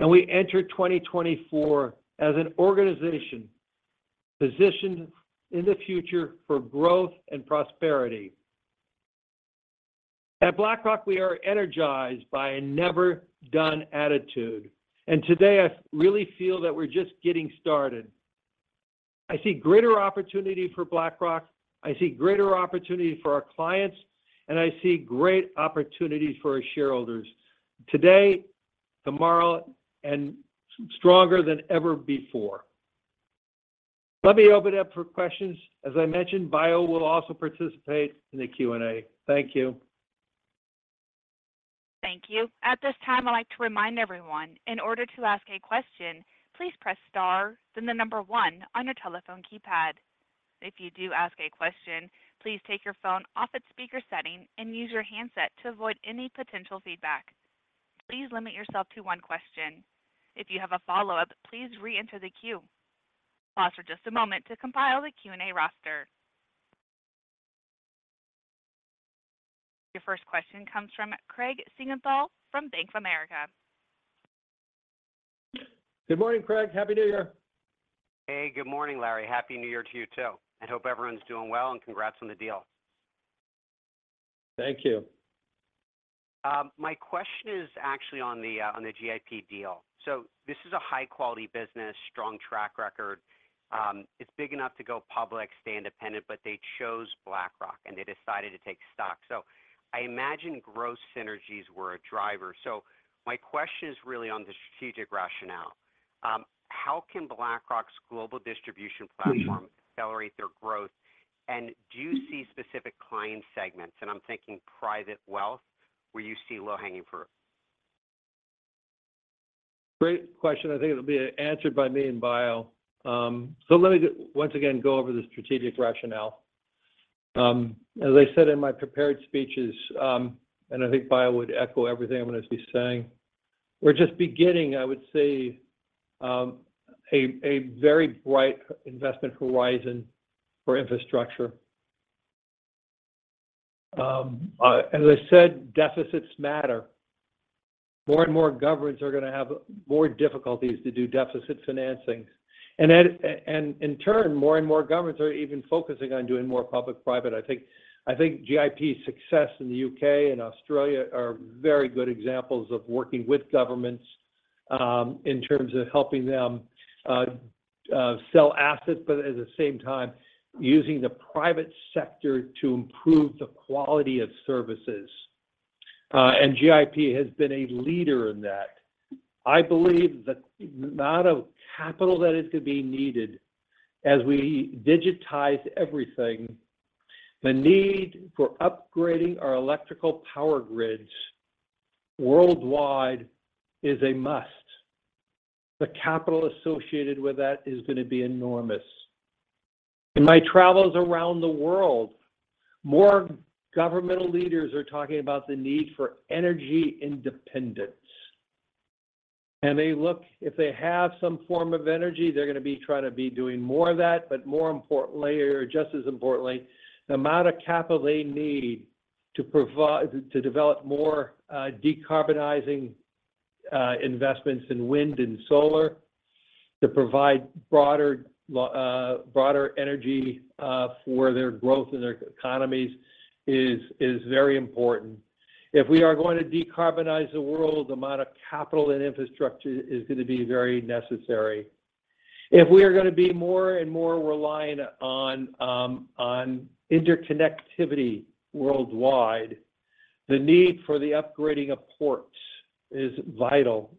And we enter 2024 as an organization positioned in the future for growth and prosperity. At BlackRock, we are energized by a never-done attitude, and today I really feel that we're just getting started. I see greater opportunity for BlackRock, I see greater opportunity for our clients, and I see great opportunities for our shareholders today, tomorrow, and stronger than ever before. Let me open it up for questions. As I mentioned, Bayo will also participate in the Q&A. Thank you. Thank you. At this time, I'd like to remind everyone, in order to ask a question, please press star, then the number one on your telephone keypad. If you do ask a question, please take your phone off its speaker setting and use your handset to avoid any potential feedback. Please limit yourself to one question. If you have a follow-up, please reenter the queue. Pause for just a moment to compile the Q&A roster. Your first question comes from Craig Siegenthaler from Bank of America. Good morning, Craig. Happy New Year! Hey, good morning, Larry. Happy New Year to you, too, and hope everyone's doing well, and congrats on the deal. Thank you. My question is actually on the GIP deal. So this is a high-quality business, strong track record. It's big enough to go public, stay independent, but they chose BlackRock, and they decided to take stock. So I imagine growth synergies were a driver. So my question is really on the strategic rationale. How can BlackRock's global distribution platform accelerate their growth? And do you see specific client segments, and I'm thinking private wealth, where you see low-hanging fruit? Great question. I think it'll be answered by me and Bayo. So let me just once again go over the strategic rationale. As I said in my prepared speeches, and I think Bayo would echo everything I'm going to be saying, we're just beginning, I would say, a very bright investment horizon for infrastructure. As I said, deficits matter. More and more governments are going to have more difficulties to do deficit financing, and then, and in turn, more and more governments are even focusing on doing more public-private. I think GIP's success in the UK and Australia are very good examples of working with governments, in terms of helping them, sell assets, but at the same time, using the private sector to improve the quality of services. And GIP has been a leader in that. I believe the amount of capital that is going to be needed as we digitize everything, the need for upgrading our electrical power grids worldwide is a must. The capital associated with that is going to be enormous. In my travels around the world, more governmental leaders are talking about the need for energy independence. They look, if they have some form of energy, they're going to be trying to be doing more of that, but more importantly, or just as importantly, the amount of capital they need to provide, to develop more, decarbonizing, investments in wind and solar, to provide broader energy, for their growth in their economies is very important. If we are going to decarbonize the world, the amount of capital and infrastructure is going to be very necessary. If we are going to be more and more reliant on on interconnectivity worldwide, the need for the upgrading of ports is vital.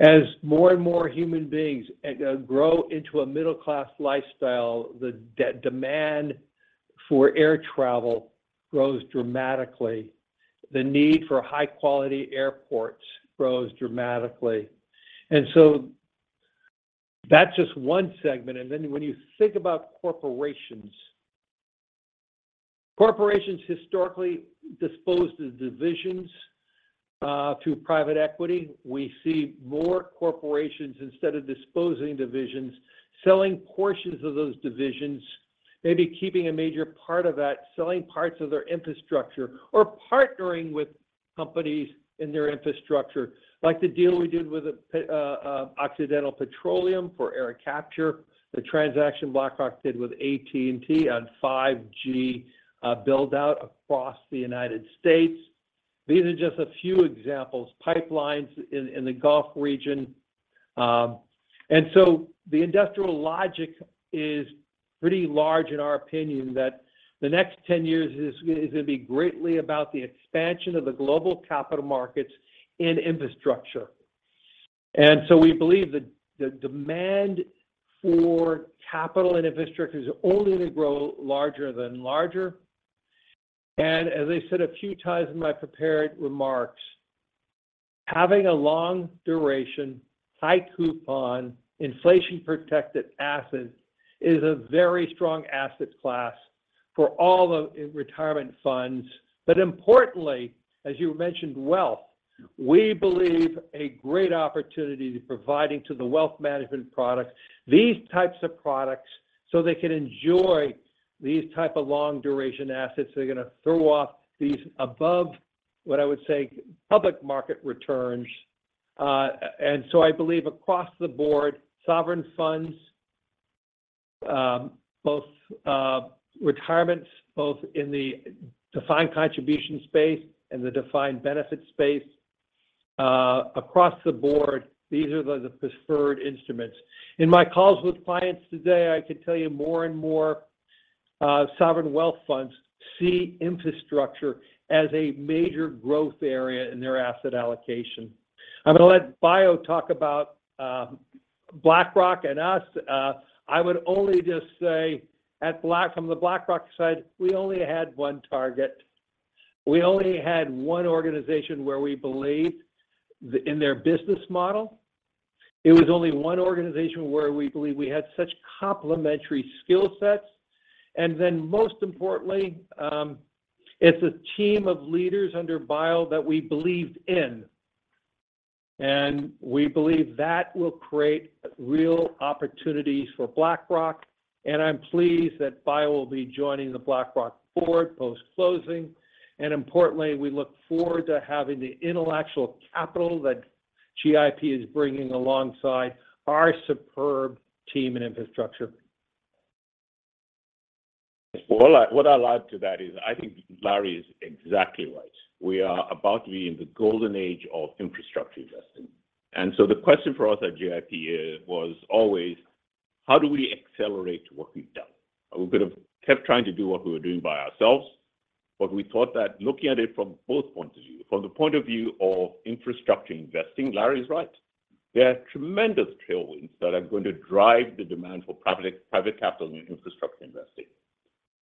As more and more human beings grow into a middle-class lifestyle, the demand for air travel grows dramatically. The need for high-quality airports grows dramatically. And so that's just one segment. And then when you think about corporations, corporations historically disposed the divisions through private equity. We see more corporations, instead of disposing divisions, selling portions of those divisions, maybe keeping a major part of that, selling parts of their infrastructure, or partnering with companies in their infrastructure, like the deal we did with Occidental Petroleum for air capture, the transaction BlackRock did with AT&T on 5G build-out across the United States. These are just a few examples, pipelines in the Gulf region. And so the industrial logic is pretty large in our opinion, that the next 10 years is going to be greatly about the expansion of the global capital markets and infrastructure. We believe that the demand for capital and infrastructure is only going to grow larger than larger. As I said a few times in my prepared remarks, having a long duration, high coupon, inflation-protected asset is a very strong asset class for all the retirement funds. But importantly, as you mentioned, wealth, we believe a great opportunity to providing to the wealth management products, these types of products, so they can enjoy- these type of long duration assets, they're gonna throw off these above, what I would say, public market returns. And so I believe across the board, sovereign funds, both, retirements, both in the defined contribution space and the defined benefit space, across the board, these are the, the preferred instruments. In my calls with clients today, I can tell you more and more, sovereign wealth funds see infrastructure as a major growth area in their asset allocation. I'm gonna let Bayo talk about, BlackRock and us. I would only just say at Black-- from the BlackRock side, we only had one target. We only had one organization where we believed the, in their business model. It was only one organization where we believe we had such complementary skill sets, and then, most importantly, it's a team of leaders under Bayo that we believed in. We believe that will create real opportunities for BlackRock, and I'm pleased that Bayo will be joining the BlackRock board post-closing. Importantly, we look forward to having the intellectual capital that GIP is bringing alongside our superb team in infrastructure. Well, I—what I'll add to that is I think Larry is exactly right. We are about to be in the golden age of infrastructure investing. And so the question for us at GIP is, was always, how do we accelerate what we've done? We could have kept trying to do what we were doing by ourselves, but we thought that looking at it from both points of view, from the point of view of infrastructure investing, Larry's right. There are tremendous tailwinds that are going to drive the demand for private, private capital in infrastructure investing.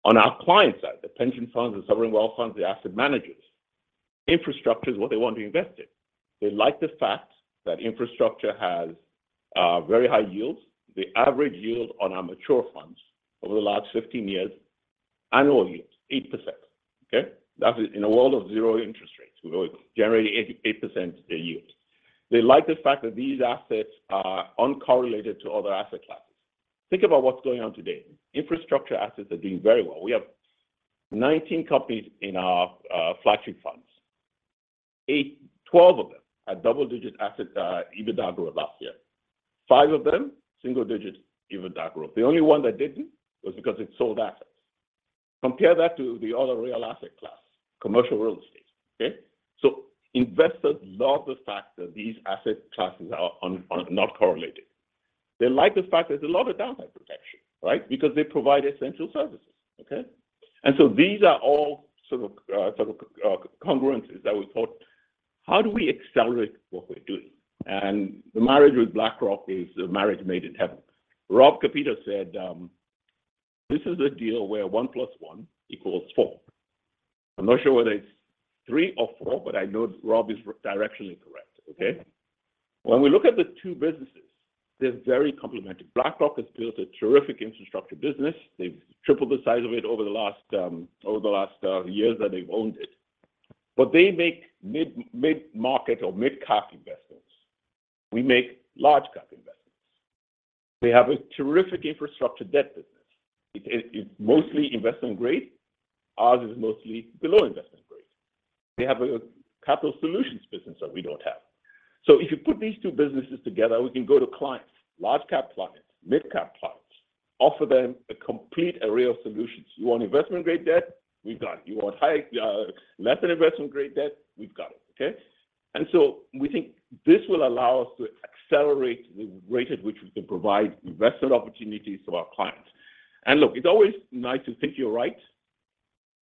On our client side, the pension funds, the sovereign wealth funds, the asset managers, infrastructure is what they want to invest in. They like the fact that infrastructure has very high yields. The average yield on our mature funds over the last 15 years, annual yields, 8%. Okay? That is in a world of zero interest rates. We're generating 8, 8% a year. They like the fact that these assets are uncorrelated to other asset classes. Think about what's going on today. Infrastructure assets are doing very well. We have 19 companies in our flagship funds. 12 of them had double-digit EBITDA growth last year. 5 of them, single-digit EBITDA growth. The only one that didn't was because it sold assets. Compare that to the other real asset class, commercial real estate. Okay? So investors love the fact that these asset classes are not correlated. They like the fact there's a lot of downside protection, right? Because they provide essential services, okay? And so these are all sort of congruences that we thought, "How do we accelerate what we're doing?" The marriage with BlackRock is a marriage made in heaven. Rob Kapito said, "This is a deal where one plus one equals four." I'm not sure whether it's three or four, but I know Rob is directionally correct, okay? When we look at the two businesses, they're very complementary. BlackRock has built a terrific infrastructure business. They've tripled the size of it over the last years that they've owned it. But they make mid-market or mid-cap investments. We make large-cap investments. They have a terrific infrastructure debt business. It's mostly investment grade. Ours is mostly below investment grade. They have a capital solutions business that we don't have. So if you put these two businesses together, we can go to clients, large-cap clients, mid-cap clients, offer them a complete array of solutions. You want investment-grade debt? We've got it. You want high, less than investment-grade debt? We've got it. Okay? And so we think this will allow us to accelerate the rate at which we can provide investment opportunities to our clients. And look, it's always nice to think you're right.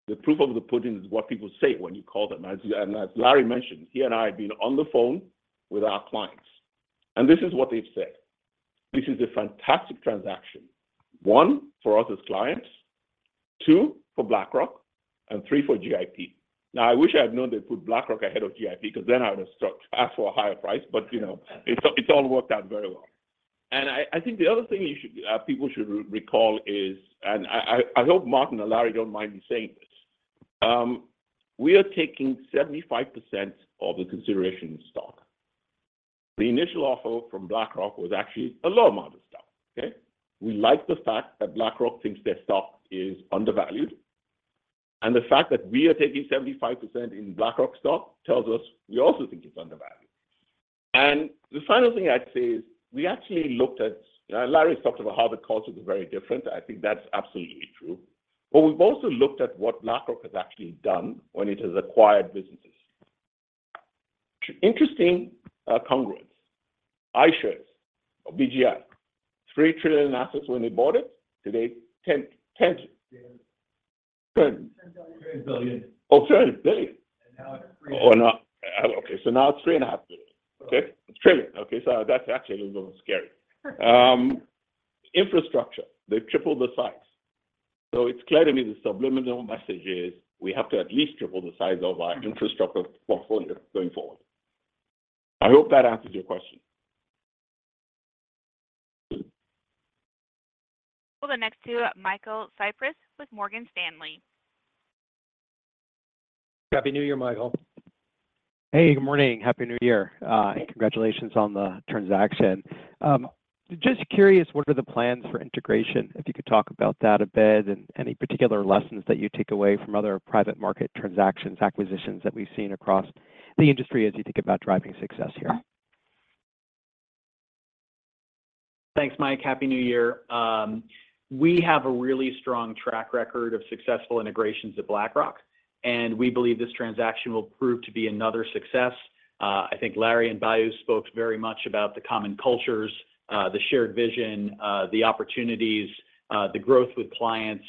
The proof of the pudding is what people say when you call them. And as Larry mentioned, he and I have been on the phone with our clients, and this is what they've said: "This is a fantastic transaction, one, for us as clients, two, for BlackRock, and three, for GIP." Now, I wish I had known they put BlackRock ahead of GIP, 'cause then I would have asked for a higher price. But, you know, it all, it all worked out very well. And I think the other thing you should, people should recall is, and I hope Martin and Larry don't mind me saying this, we are taking 75% of the consideration stock. The initial offer from BlackRock was actually a low amount of stock, okay? We like the fact that BlackRock thinks their stock is undervalued, and the fact that we are taking 75% in BlackRock stock tells us we also think it's undervalued. And the final thing I'd say is, we actually looked at... Larry's talked about how the cultures are very different. I think that's absolutely true. But we've also looked at what BlackRock has actually done when it has acquired businesses. Interesting, congruence. iShares or BGI, $3 trillion in assets when they bought it. Today, $10 trillion. Ten. Ten. Ten trillion. Ten billion. Oh, $10 billion. Now it's 3. Oh, now... Okay, so now it's $3.5 billion. Okay. Okay, trillion. Okay, so that's actually a little scary. Infrastructure, they've tripled the size. So it's clear to me the subliminal message is, we have to at least triple the size of our infrastructure portfolio going forward. I hope that answers your question. We'll go next to Michael Cyprys with Morgan Stanley.... Happy New Year, Michael. Hey, good morning. Happy New Year. And congratulations on the transaction. Just curious, what are the plans for integration? If you could talk about that a bit, and any particular lessons that you take away from other private market transactions, acquisitions that we've seen across the industry as you think about driving success here. Thanks, Mike. Happy New Year. We have a really strong track record of successful integrations at BlackRock, and we believe this transaction will prove to be another success. I think Larry and Bayo spoke very much about the common cultures, the shared vision, the opportunities, the growth with clients.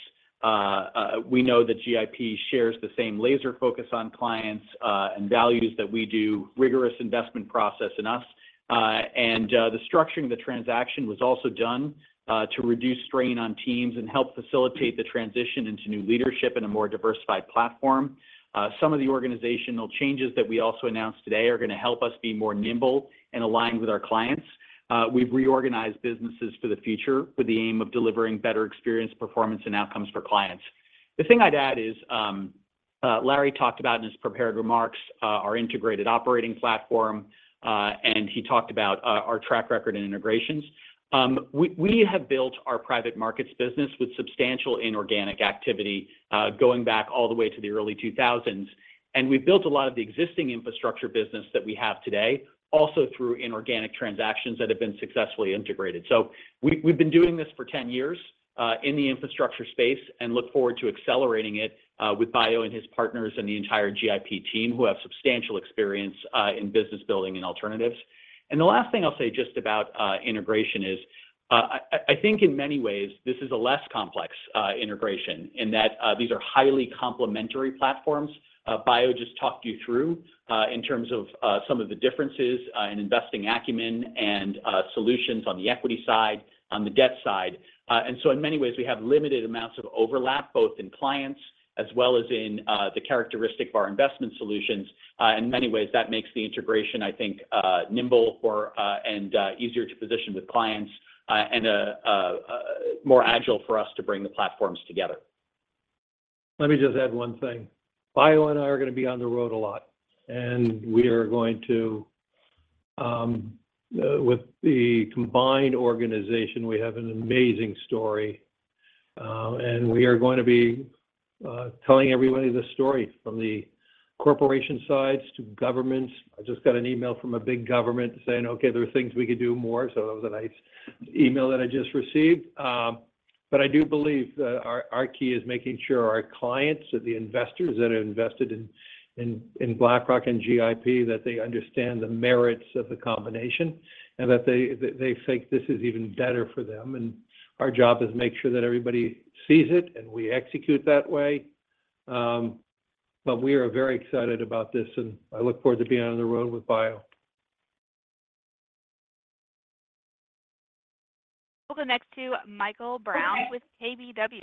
We know that GIP shares the same laser focus on clients, and values that we do, rigorous investment process in us. And, the structuring of the transaction was also done to reduce strain on teams and help facilitate the transition into new leadership in a more diversified platform. Some of the organizational changes that we also announced today are going to help us be more nimble and aligned with our clients. We've reorganized businesses for the future with the aim of delivering better experience, performance, and outcomes for clients. The thing I'd add is, Larry talked about in his prepared remarks our integrated operating platform, and he talked about our track record in integrations. We have built our private markets business with substantial inorganic activity, going back all the way to the early 2000s. And we've built a lot of the existing infrastructure business that we have today, also through inorganic transactions that have been successfully integrated. So we've been doing this for 10 years in the infrastructure space and look forward to accelerating it with Bayo and his partners and the entire GIP team, who have substantial experience in business building and alternatives. The last thing I'll say just about integration is, I think in many ways this is a less complex integration in that these are highly complementary platforms. Bayo just talked you through in terms of some of the differences in investing acumen and solutions on the equity side, on the debt side. And so in many ways, we have limited amounts of overlap, both in clients as well as in the characteristic of our investment solutions. In many ways, that makes the integration, I think, nimble and easier to position with clients, and more agile for us to bring the platforms together. Let me just add one thing. Bayo and I are going to be on the road a lot, and we are going to with the combined organization, we have an amazing story, and we are going to be telling everybody this story from the corporation sides to governments. I just got an email from a big government saying, "Okay, there are things we could do more." So that was a nice email that I just received. But I do believe that our, our key is making sure our clients are the investors that are invested in, in, in BlackRock and GIP, that they understand the merits of the combination, and that they, that they think this is even better for them. And our job is to make sure that everybody sees it, and we execute that way. We are very excited about this, and I look forward to being on the road with Bayo. We'll go next to Michael Brown with KBW.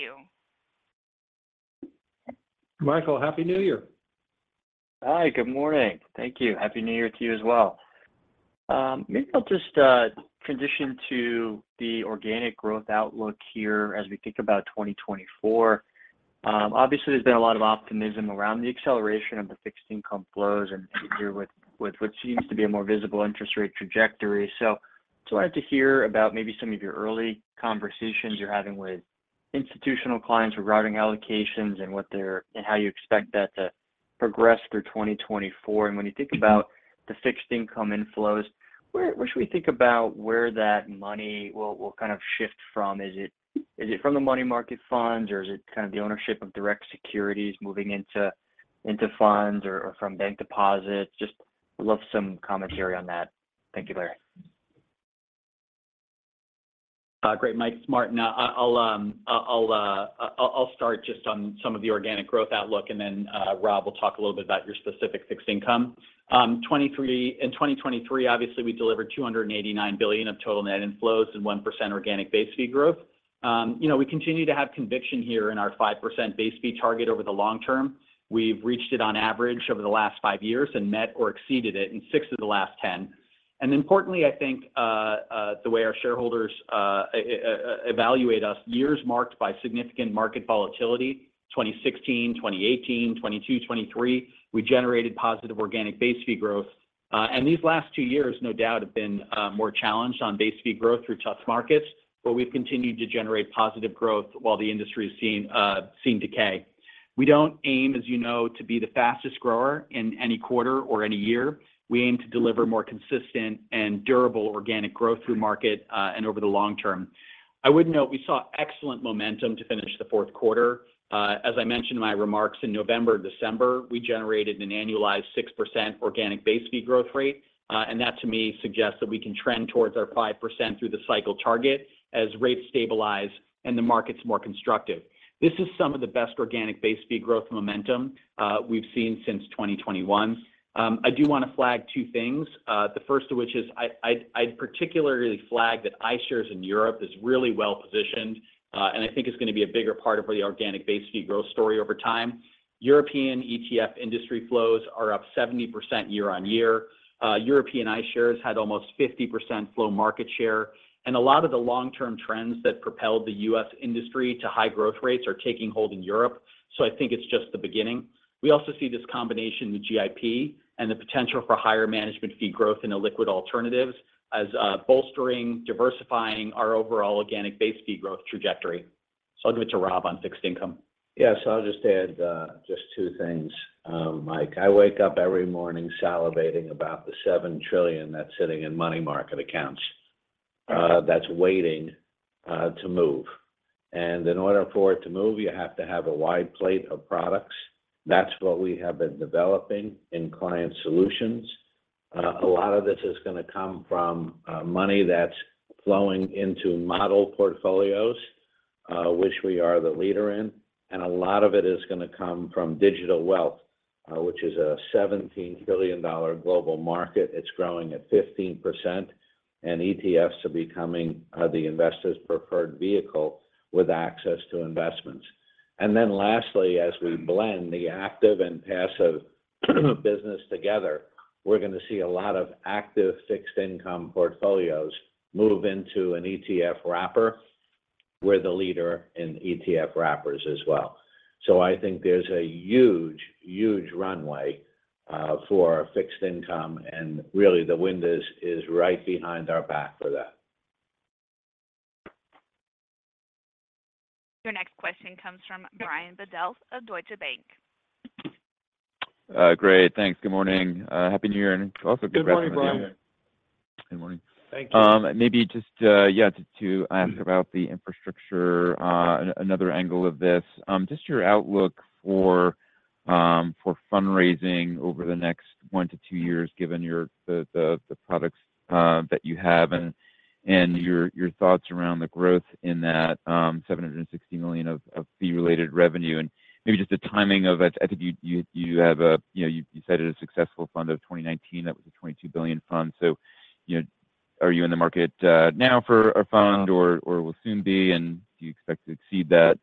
Michael, Happy New Year! Hi, good morning. Thank you. Happy New Year to you as well. Maybe I'll just transition to the organic growth outlook here as we think about 2024. Obviously, there's been a lot of optimism around the acceleration of the fixed income flows and here with what seems to be a more visible interest rate trajectory. So I'd like to hear about maybe some of your early conversations you're having with institutional clients regarding allocations and what they're, and how you expect that to progress through 2024. And when you think about the fixed income inflows, where should we think about where that money will kind of shift from? Is it from the money market funds, or is it kind of the ownership of direct securities moving into funds or from bank deposits? Just love some commentary on that. Thank you, Larry. Great, Mike, smart. Now, I'll start just on some of the organic growth outlook, and then, Rob will talk a little bit about your specific fixed income. In 2023, obviously, we delivered $289 billion of total net inflows and 1% organic base fee growth. You know, we continue to have conviction here in our 5% base fee target over the long term. We've reached it on average over the last five years and met or exceeded it in six of the last 10. And importantly, I think, the way our shareholders evaluate us, years marked by significant market volatility, 2016, 2018, 2022, 2023, we generated positive organic base fee growth. And these last two years, no doubt, have been more challenged on base fee growth through tough markets, but we've continued to generate positive growth while the industry has seen seen decay. We don't aim, as you know, to be the fastest grower in any quarter or any year. We aim to deliver more consistent and durable organic growth through market and over the long term. I would note we saw excellent momentum to finish the fourth quarter. As I mentioned in my remarks, in November, December, we generated an annualized 6% organic base fee growth rate. And that, to me, suggests that we can trend towards our 5% through the cycle target as rates stabilize and the market's more constructive. This is some of the best organic base fee growth momentum we've seen since 2021. I do want to flag two things. The first of which is I'd particularly flag that iShares in Europe is really well positioned, and I think is going to be a bigger part of the organic base fee growth story over time. European ETF industry flows are up 70% year-on-year. European iShares had almost 50% flow market share, and a lot of the long-term trends that propelled the U.S. industry to high growth rates are taking hold in Europe. So I think it's just the beginning. We also see this combination, the GIP, and the potential for higher management fee growth in the liquid alternatives as bolstering, diversifying our overall organic base fee growth trajectory. So I'll give it to Rob on fixed income. Yes, I'll just add, just two things, Mike. I wake up every morning salivating about the $7 trillion that's sitting in money market accounts, that's waiting, to move. And in order for it to move, you have to have a wide plate of products. That's what we have been developing in client solutions. A lot of this is gonna come from, money that's flowing into model portfolios, which we are the leader in, and a lot of it is gonna come from digital wealth, which is a $17 billion global market. It's growing at 15%, and ETFs are becoming, the investors' preferred vehicle with access to investments. And then lastly, as we blend the active and passive business together, we're gonna see a lot of active fixed income portfolios move into an ETF wrapper. We're the leader in ETF wrappers as well. So I think there's a huge, huge runway for fixed income, and really, the wind is right behind our back for that. Your next question comes from Brian Bedell of Deutsche Bank. Great. Thanks. Good morning. Happy New Year, and also good afternoon. Good morning, Brian. Good morning. Thank you. Maybe just to ask about the infrastructure, another angle of this. Just your outlook for fundraising over the next 1 to 2 years, given your the, the, the products that you have, and your thoughts around the growth in that $760 million of fee-related revenue, and maybe just the timing of it. I think you have a you know, you said a successful fund of 2019, that was a $22 billion fund. So, you know, are you in the market now for a fund or will soon be, and do you expect to exceed that?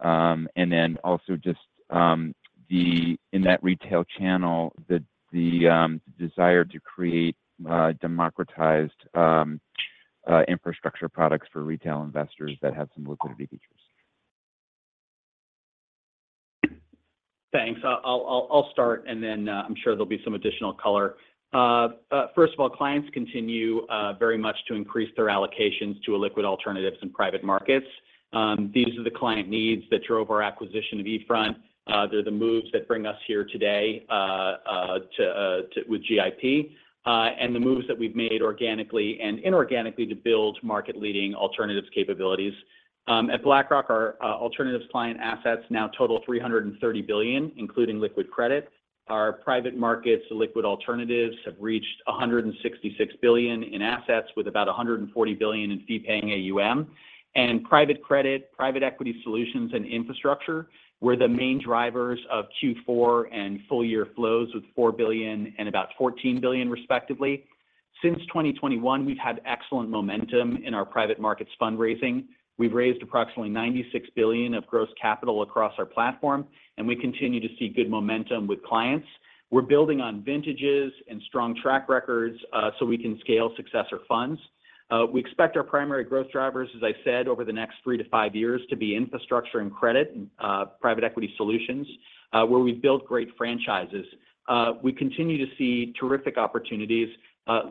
And then also just the in that retail channel, the desire to create democratized infrastructure products for retail investors that have some liquidity features. Thanks. I'll start, and then I'm sure there'll be some additional color. First of all, clients continue very much to increase their allocations to illiquid alternatives in private markets. These are the client needs that drove our acquisition of eFront. They're the moves that bring us here today with GIP, and the moves that we've made organically and inorganically to build market-leading alternatives capabilities. At BlackRock, our alternatives client assets now total $330 billion, including liquid credit. Our private markets liquid alternatives have reached $166 billion in assets, with about $140 billion in fee-paying AUM. And private credit, private equity solutions, and infrastructure were the main drivers of Q4 and full-year flows, with $4 billion and about $14 billion, respectively. Since 2021, we've had excellent momentum in our private markets fundraising. We've raised approximately $96 billion of gross capital across our platform, and we continue to see good momentum with clients. We're building on vintages and strong track records, so we can scale successor funds. We expect our primary growth drivers, as I said, over the next 3-5 years, to be infrastructure and credit, and, private equity solutions, where we've built great franchises. We continue to see terrific opportunities.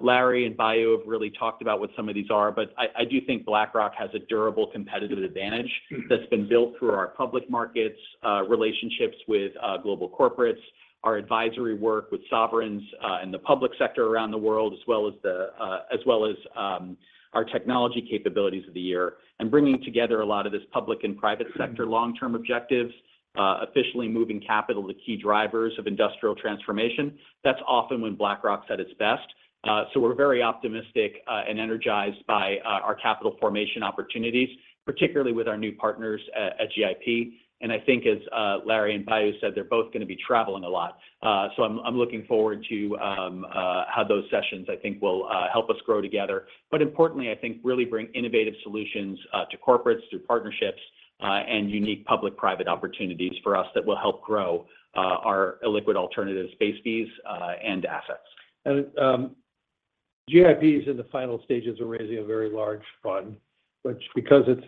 Larry and Bayo have really talked about what some of these are, but I do think BlackRock has a durable competitive advantage that's been built through our public markets relationships with global corporates, our advisory work with sovereigns and the public sector around the world, as well as our technology capabilities of the year. And bringing together a lot of this public and private sector long-term objectives, officially moving capital to key drivers of industrial transformation. That's often when BlackRock's at its best. So we're very optimistic and energized by our capital formation opportunities, particularly with our new partners at GIP. And I think as Larry and Bayo said, they're both gonna be traveling a lot. So I'm looking forward to how those sessions, I think, will help us grow together, but importantly, I think, really bring innovative solutions to corporates through partnerships and unique public-private opportunities for us that will help grow our illiquid alternative space fees and assets. GIP is in the final stages of raising a very large fund, which because it's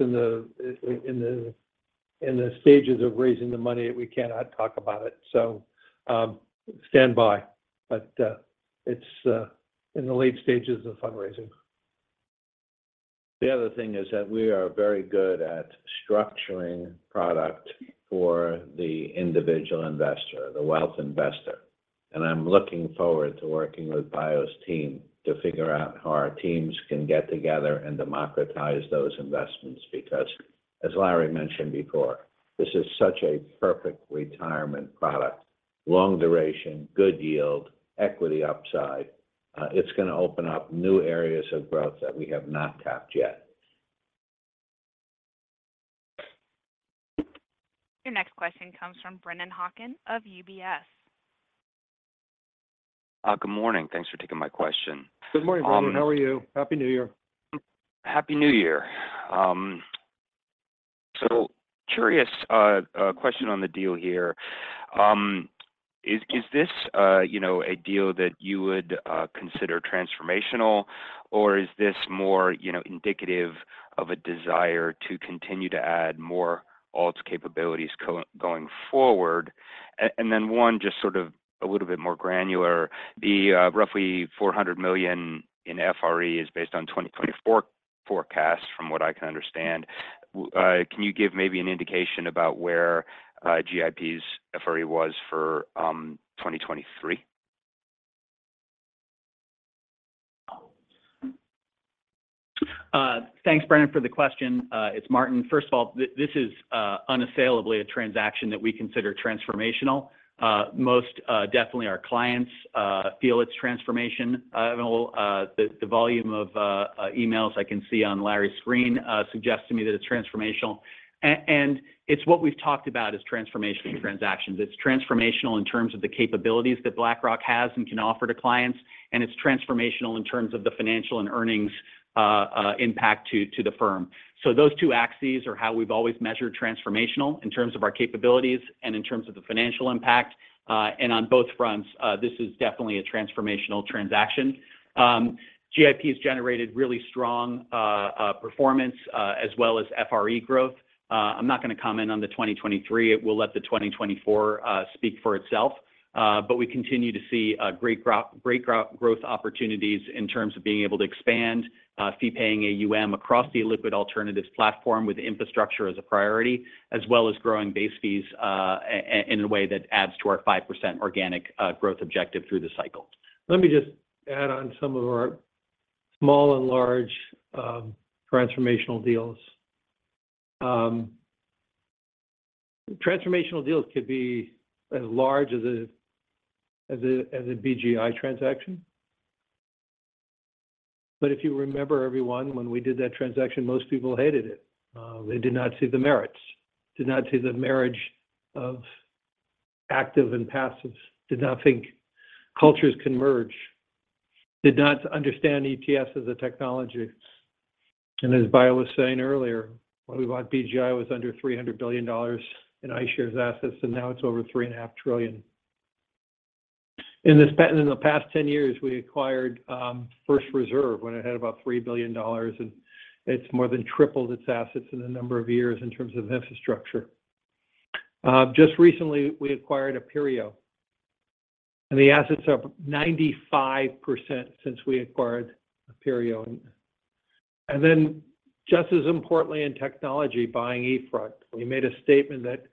in the stages of raising the money, we cannot talk about it. Stand by, but it's in the late stages of fundraising. The other thing is that we are very good at structuring product for the individual investor, the wealth investor, and I'm looking forward to working with Bayo's team to figure out how our teams can get together and democratize those investments. Because, as Larry mentioned before, this is such a perfect retirement product: long duration, good yield, equity upside. It's gonna open up new areas of growth that we have not tapped yet. Your next question comes from Brendan Hawken of UBS. Good morning. Thanks for taking my question. Good morning, Brendan. How are you? Happy New Year. Happy New Year. Curious question on the deal here.... Is, is this, you know, a deal that you would, consider transformational, or is this more, you know, indicative of a desire to continue to add more alts capabilities going forward? And then one, just sort of a little bit more granular, the roughly $400 million in FRE is based on 2024 forecast, from what I can understand. Can you give maybe an indication about where GIP's FRE was for 2023? Thanks, Brendan, for the question. It's Martin. First of all, this is unassailably a transaction that we consider transformational. Most definitely our clients feel it's transformational. Well, the volume of emails I can see on Larry's screen suggests to me that it's transformational. And it's what we've talked about as transformational transactions. It's transformational in terms of the capabilities that BlackRock has and can offer to clients, and it's transformational in terms of the financial and earnings impact to the firm. So those two axes are how we've always measured transformational, in terms of our capabilities and in terms of the financial impact. And on both fronts, this is definitely a transformational transaction. GIP has generated really strong performance as well as FRE growth. I'm not going to comment on the 2023. We'll let the 2024 speak for itself. But we continue to see great growth opportunities in terms of being able to expand fee paying AUM across the liquid alternatives platform, with infrastructure as a priority, as well as growing base fees in a way that adds to our 5% organic growth objective through the cycle. Let me just add on some of our small and large, transformational deals. Transformational deals could be as large as a, as a, as a BGI transaction. But if you remember, everyone, when we did that transaction, most people hated it. They did not see the merits, did not see the marriage of active and passive, did not think cultures can merge, did not understand ETFs as a technology. And as Bayo was saying earlier, when we bought BGI, it was under $300 billion in iShares assets, and now it's over $3.5 trillion. In the past 10 years, we acquired First Reserve when it had about $3 billion, and it's more than tripled its assets in a number of years in terms of infrastructure. Just recently, we acquired Aperio, and the assets are 95% since we acquired Aperio. And then, just as importantly, in technology, buying eFront. We made a statement that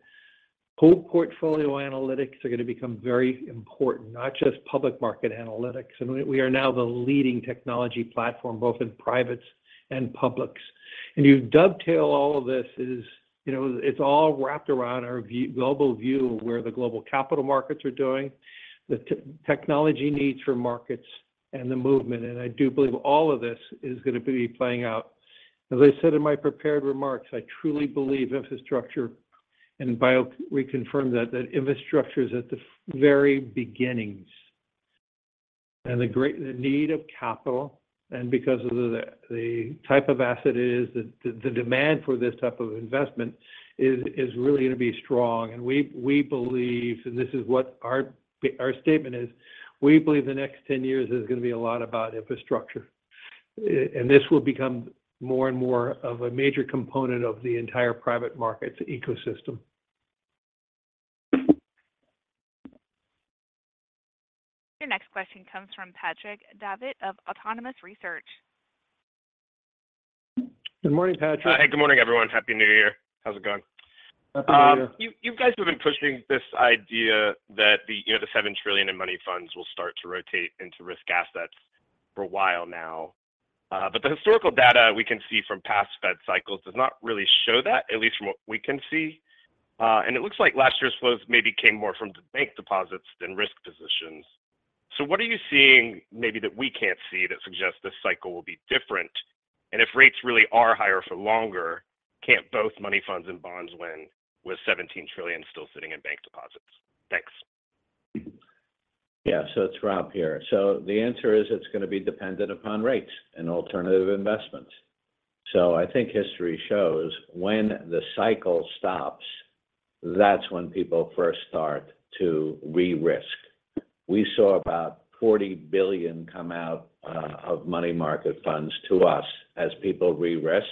whole portfolio analytics are going to become very important, not just public market analytics. And we, we are now the leading technology platform, both in privates and publics. And you dovetail all of this is, you know, it's all wrapped around our view, global view of where the global capital markets are doing, the technology needs for markets, and the movement. And I do believe all of this is going to be playing out. As I said in my prepared remarks, I truly believe infrastructure, and Bayo reconfirmed that, that infrastructure is at the very beginnings. The great need of capital, and because of the type of asset it is, the demand for this type of investment is really going to be strong. And we believe, and this is what our statement is, we believe the next ten years is going to be a lot about infrastructure. And this will become more and more of a major component of the entire private markets ecosystem. Your next question comes from Patrick Davitt of Autonomous Research. Good morning, Patrick. Hi, good morning, everyone. Happy New Year. How's it going? Happy New Year. You, you guys have been pushing this idea that the, you know, the $7 trillion in money funds will start to rotate into risk assets for a while now. But the historical data we can see from past Fed cycles does not really show that, at least from what we can see. And it looks like last year's flows maybe came more from the bank deposits than risk positions. So what are you seeing maybe that we can't see, that suggests this cycle will be different? And if rates really are higher for longer, can't both money funds and bonds win with $17 trillion still sitting in bank deposits? Thanks. Yeah, so it's Rob here. So the answer is, it's going to be dependent upon rates and alternative investments. So I think history shows when the cycle stops, that's when people first start to re-risk. We saw about $40 billion come out of money market funds to us as people re-risk,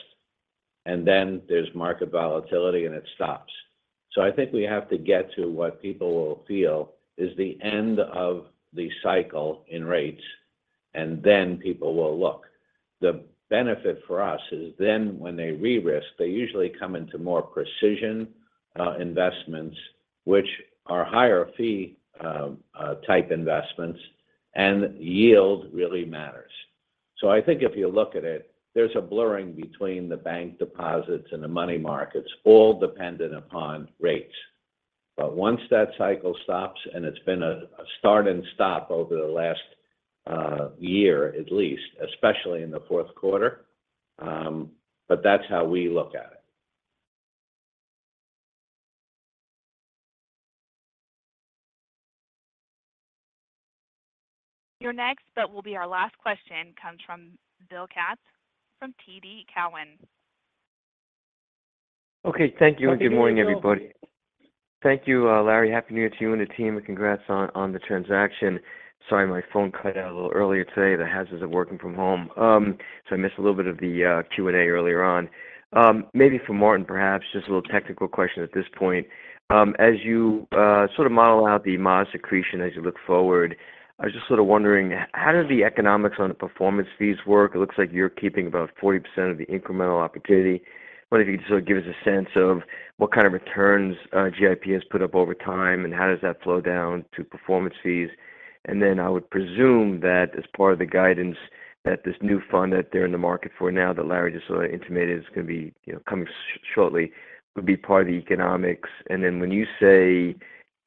and then there's market volatility, and it stops. So I think we have to get to what people will feel is the end of the cycle in rates, and then people will look. The benefit for us is then when they re-risk, they usually come into more precision investments, which are higher fee type investments, and yield really matters. So I think if you look at it, there's a blurring between the bank deposits and the money markets, all dependent upon rates. But once that cycle stops, and it's been a start and stop over the last year, at least, especially in the fourth quarter, but that's how we look at it. ... Our next, but it will be our last question, comes from Bill Katz from TD Cowen. Okay, thank you and good morning, everybody. Thank you, Larry. Happy New Year to you and the team, and congrats on the transaction. Sorry, my phone cut out a little earlier today, the hazards of working from home. So I missed a little bit of the Q&A earlier on. Maybe for Martin, perhaps, just a little technical question at this point. As you sort of model out the margin accretion as you look forward, I was just sort of wondering, how does the economics on the performance fees work? It looks like you're keeping about 40% of the incremental opportunity. I wonder if you could sort of give us a sense of what kind of returns GIP has put up over time, and how does that flow down to performance fees? And then I would presume that as part of the guidance, that this new fund that they're in the market for now, that Larry just sort of intimated is going to be, you know, coming shortly, would be part of the economics. And then when you say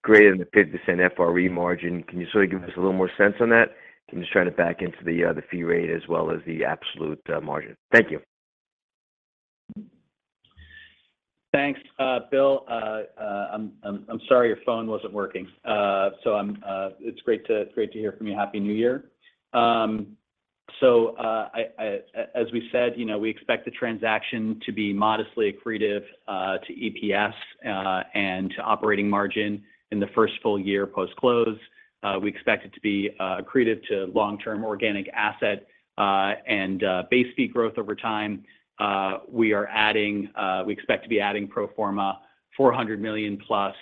greater than the 50% FRE margin, can you sort of give us a little more sense on that? I'm just trying to back into the fee rate as well as the absolute margin. Thank you. Thanks, Bill. I'm sorry your phone wasn't working. So it's great to hear from you. Happy New Year. So, as we said, you know, we expect the transaction to be modestly accretive to EPS and to operating margin in the first full year post-close. We expect it to be accretive to long-term organic asset and base fee growth over time. We expect to be adding pro forma $400 million plus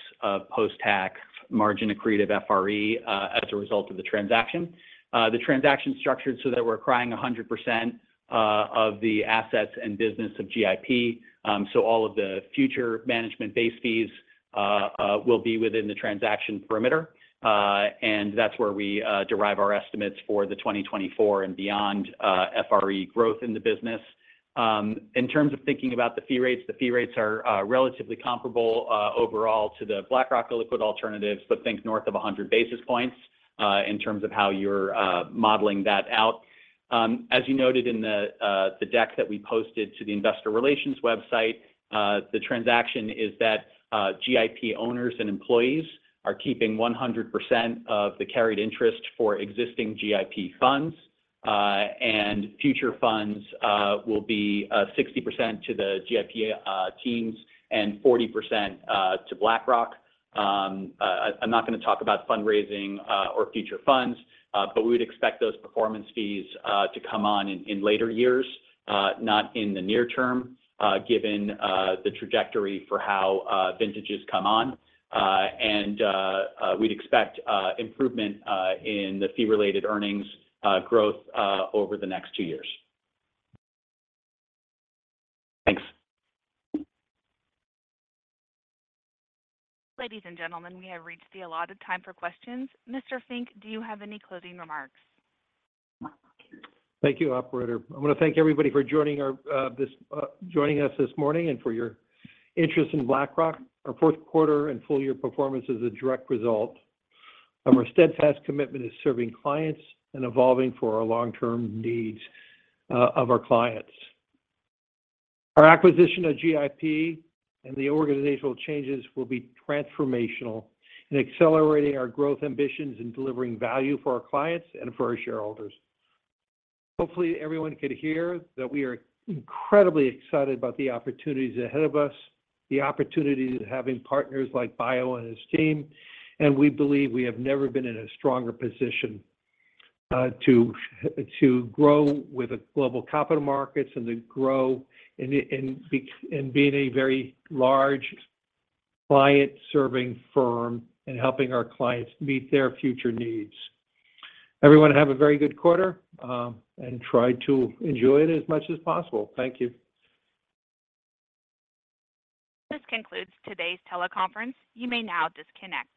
post-tax margin accretive FRE as a result of the transaction. The transaction is structured so that we're acquiring 100% of the assets and business of GIP. So all of the future management base fees will be within the transaction perimeter. And that's where we derive our estimates for the 2024 and beyond, FRE growth in the business. In terms of thinking about the fee rates, the fee rates are relatively comparable overall to the BlackRock liquid alternatives, but think north of a hundred basis points in terms of how you're modeling that out. As you noted in the deck that we posted to the investor relations website, the transaction is that GIP owners and employees are keeping 100% of the carried interest for existing GIP funds. And future funds will be 60% to the GIP teams and 40% to BlackRock. I'm not going to talk about fundraising or future funds, but we would expect those performance fees to come on in later years, not in the near term, given the trajectory for how vintages come on. We'd expect improvement in the fee-related earnings growth over the next two years. Thanks. Ladies and gentlemen, we have reached the allotted time for questions. Mr. Fink, do you have any closing remarks? Thank you, operator. I want to thank everybody for joining us this morning and for your interest in BlackRock. Our fourth quarter and full year performance is a direct result of our steadfast commitment to serving clients and evolving for our long-term needs of our clients. Our acquisition of GIP and the organizational changes will be transformational in accelerating our growth ambitions and delivering value for our clients and for our shareholders. Hopefully, everyone could hear that we are incredibly excited about the opportunities ahead of us, the opportunity to having partners like Bayo and his team, and we believe we have never been in a stronger position to grow with the global capital markets and to grow and be a very large client-serving firm and helping our clients meet their future needs. Everyone, have a very good quarter, and try to enjoy it as much as possible. Thank you. This concludes today's teleconference. You may now disconnect.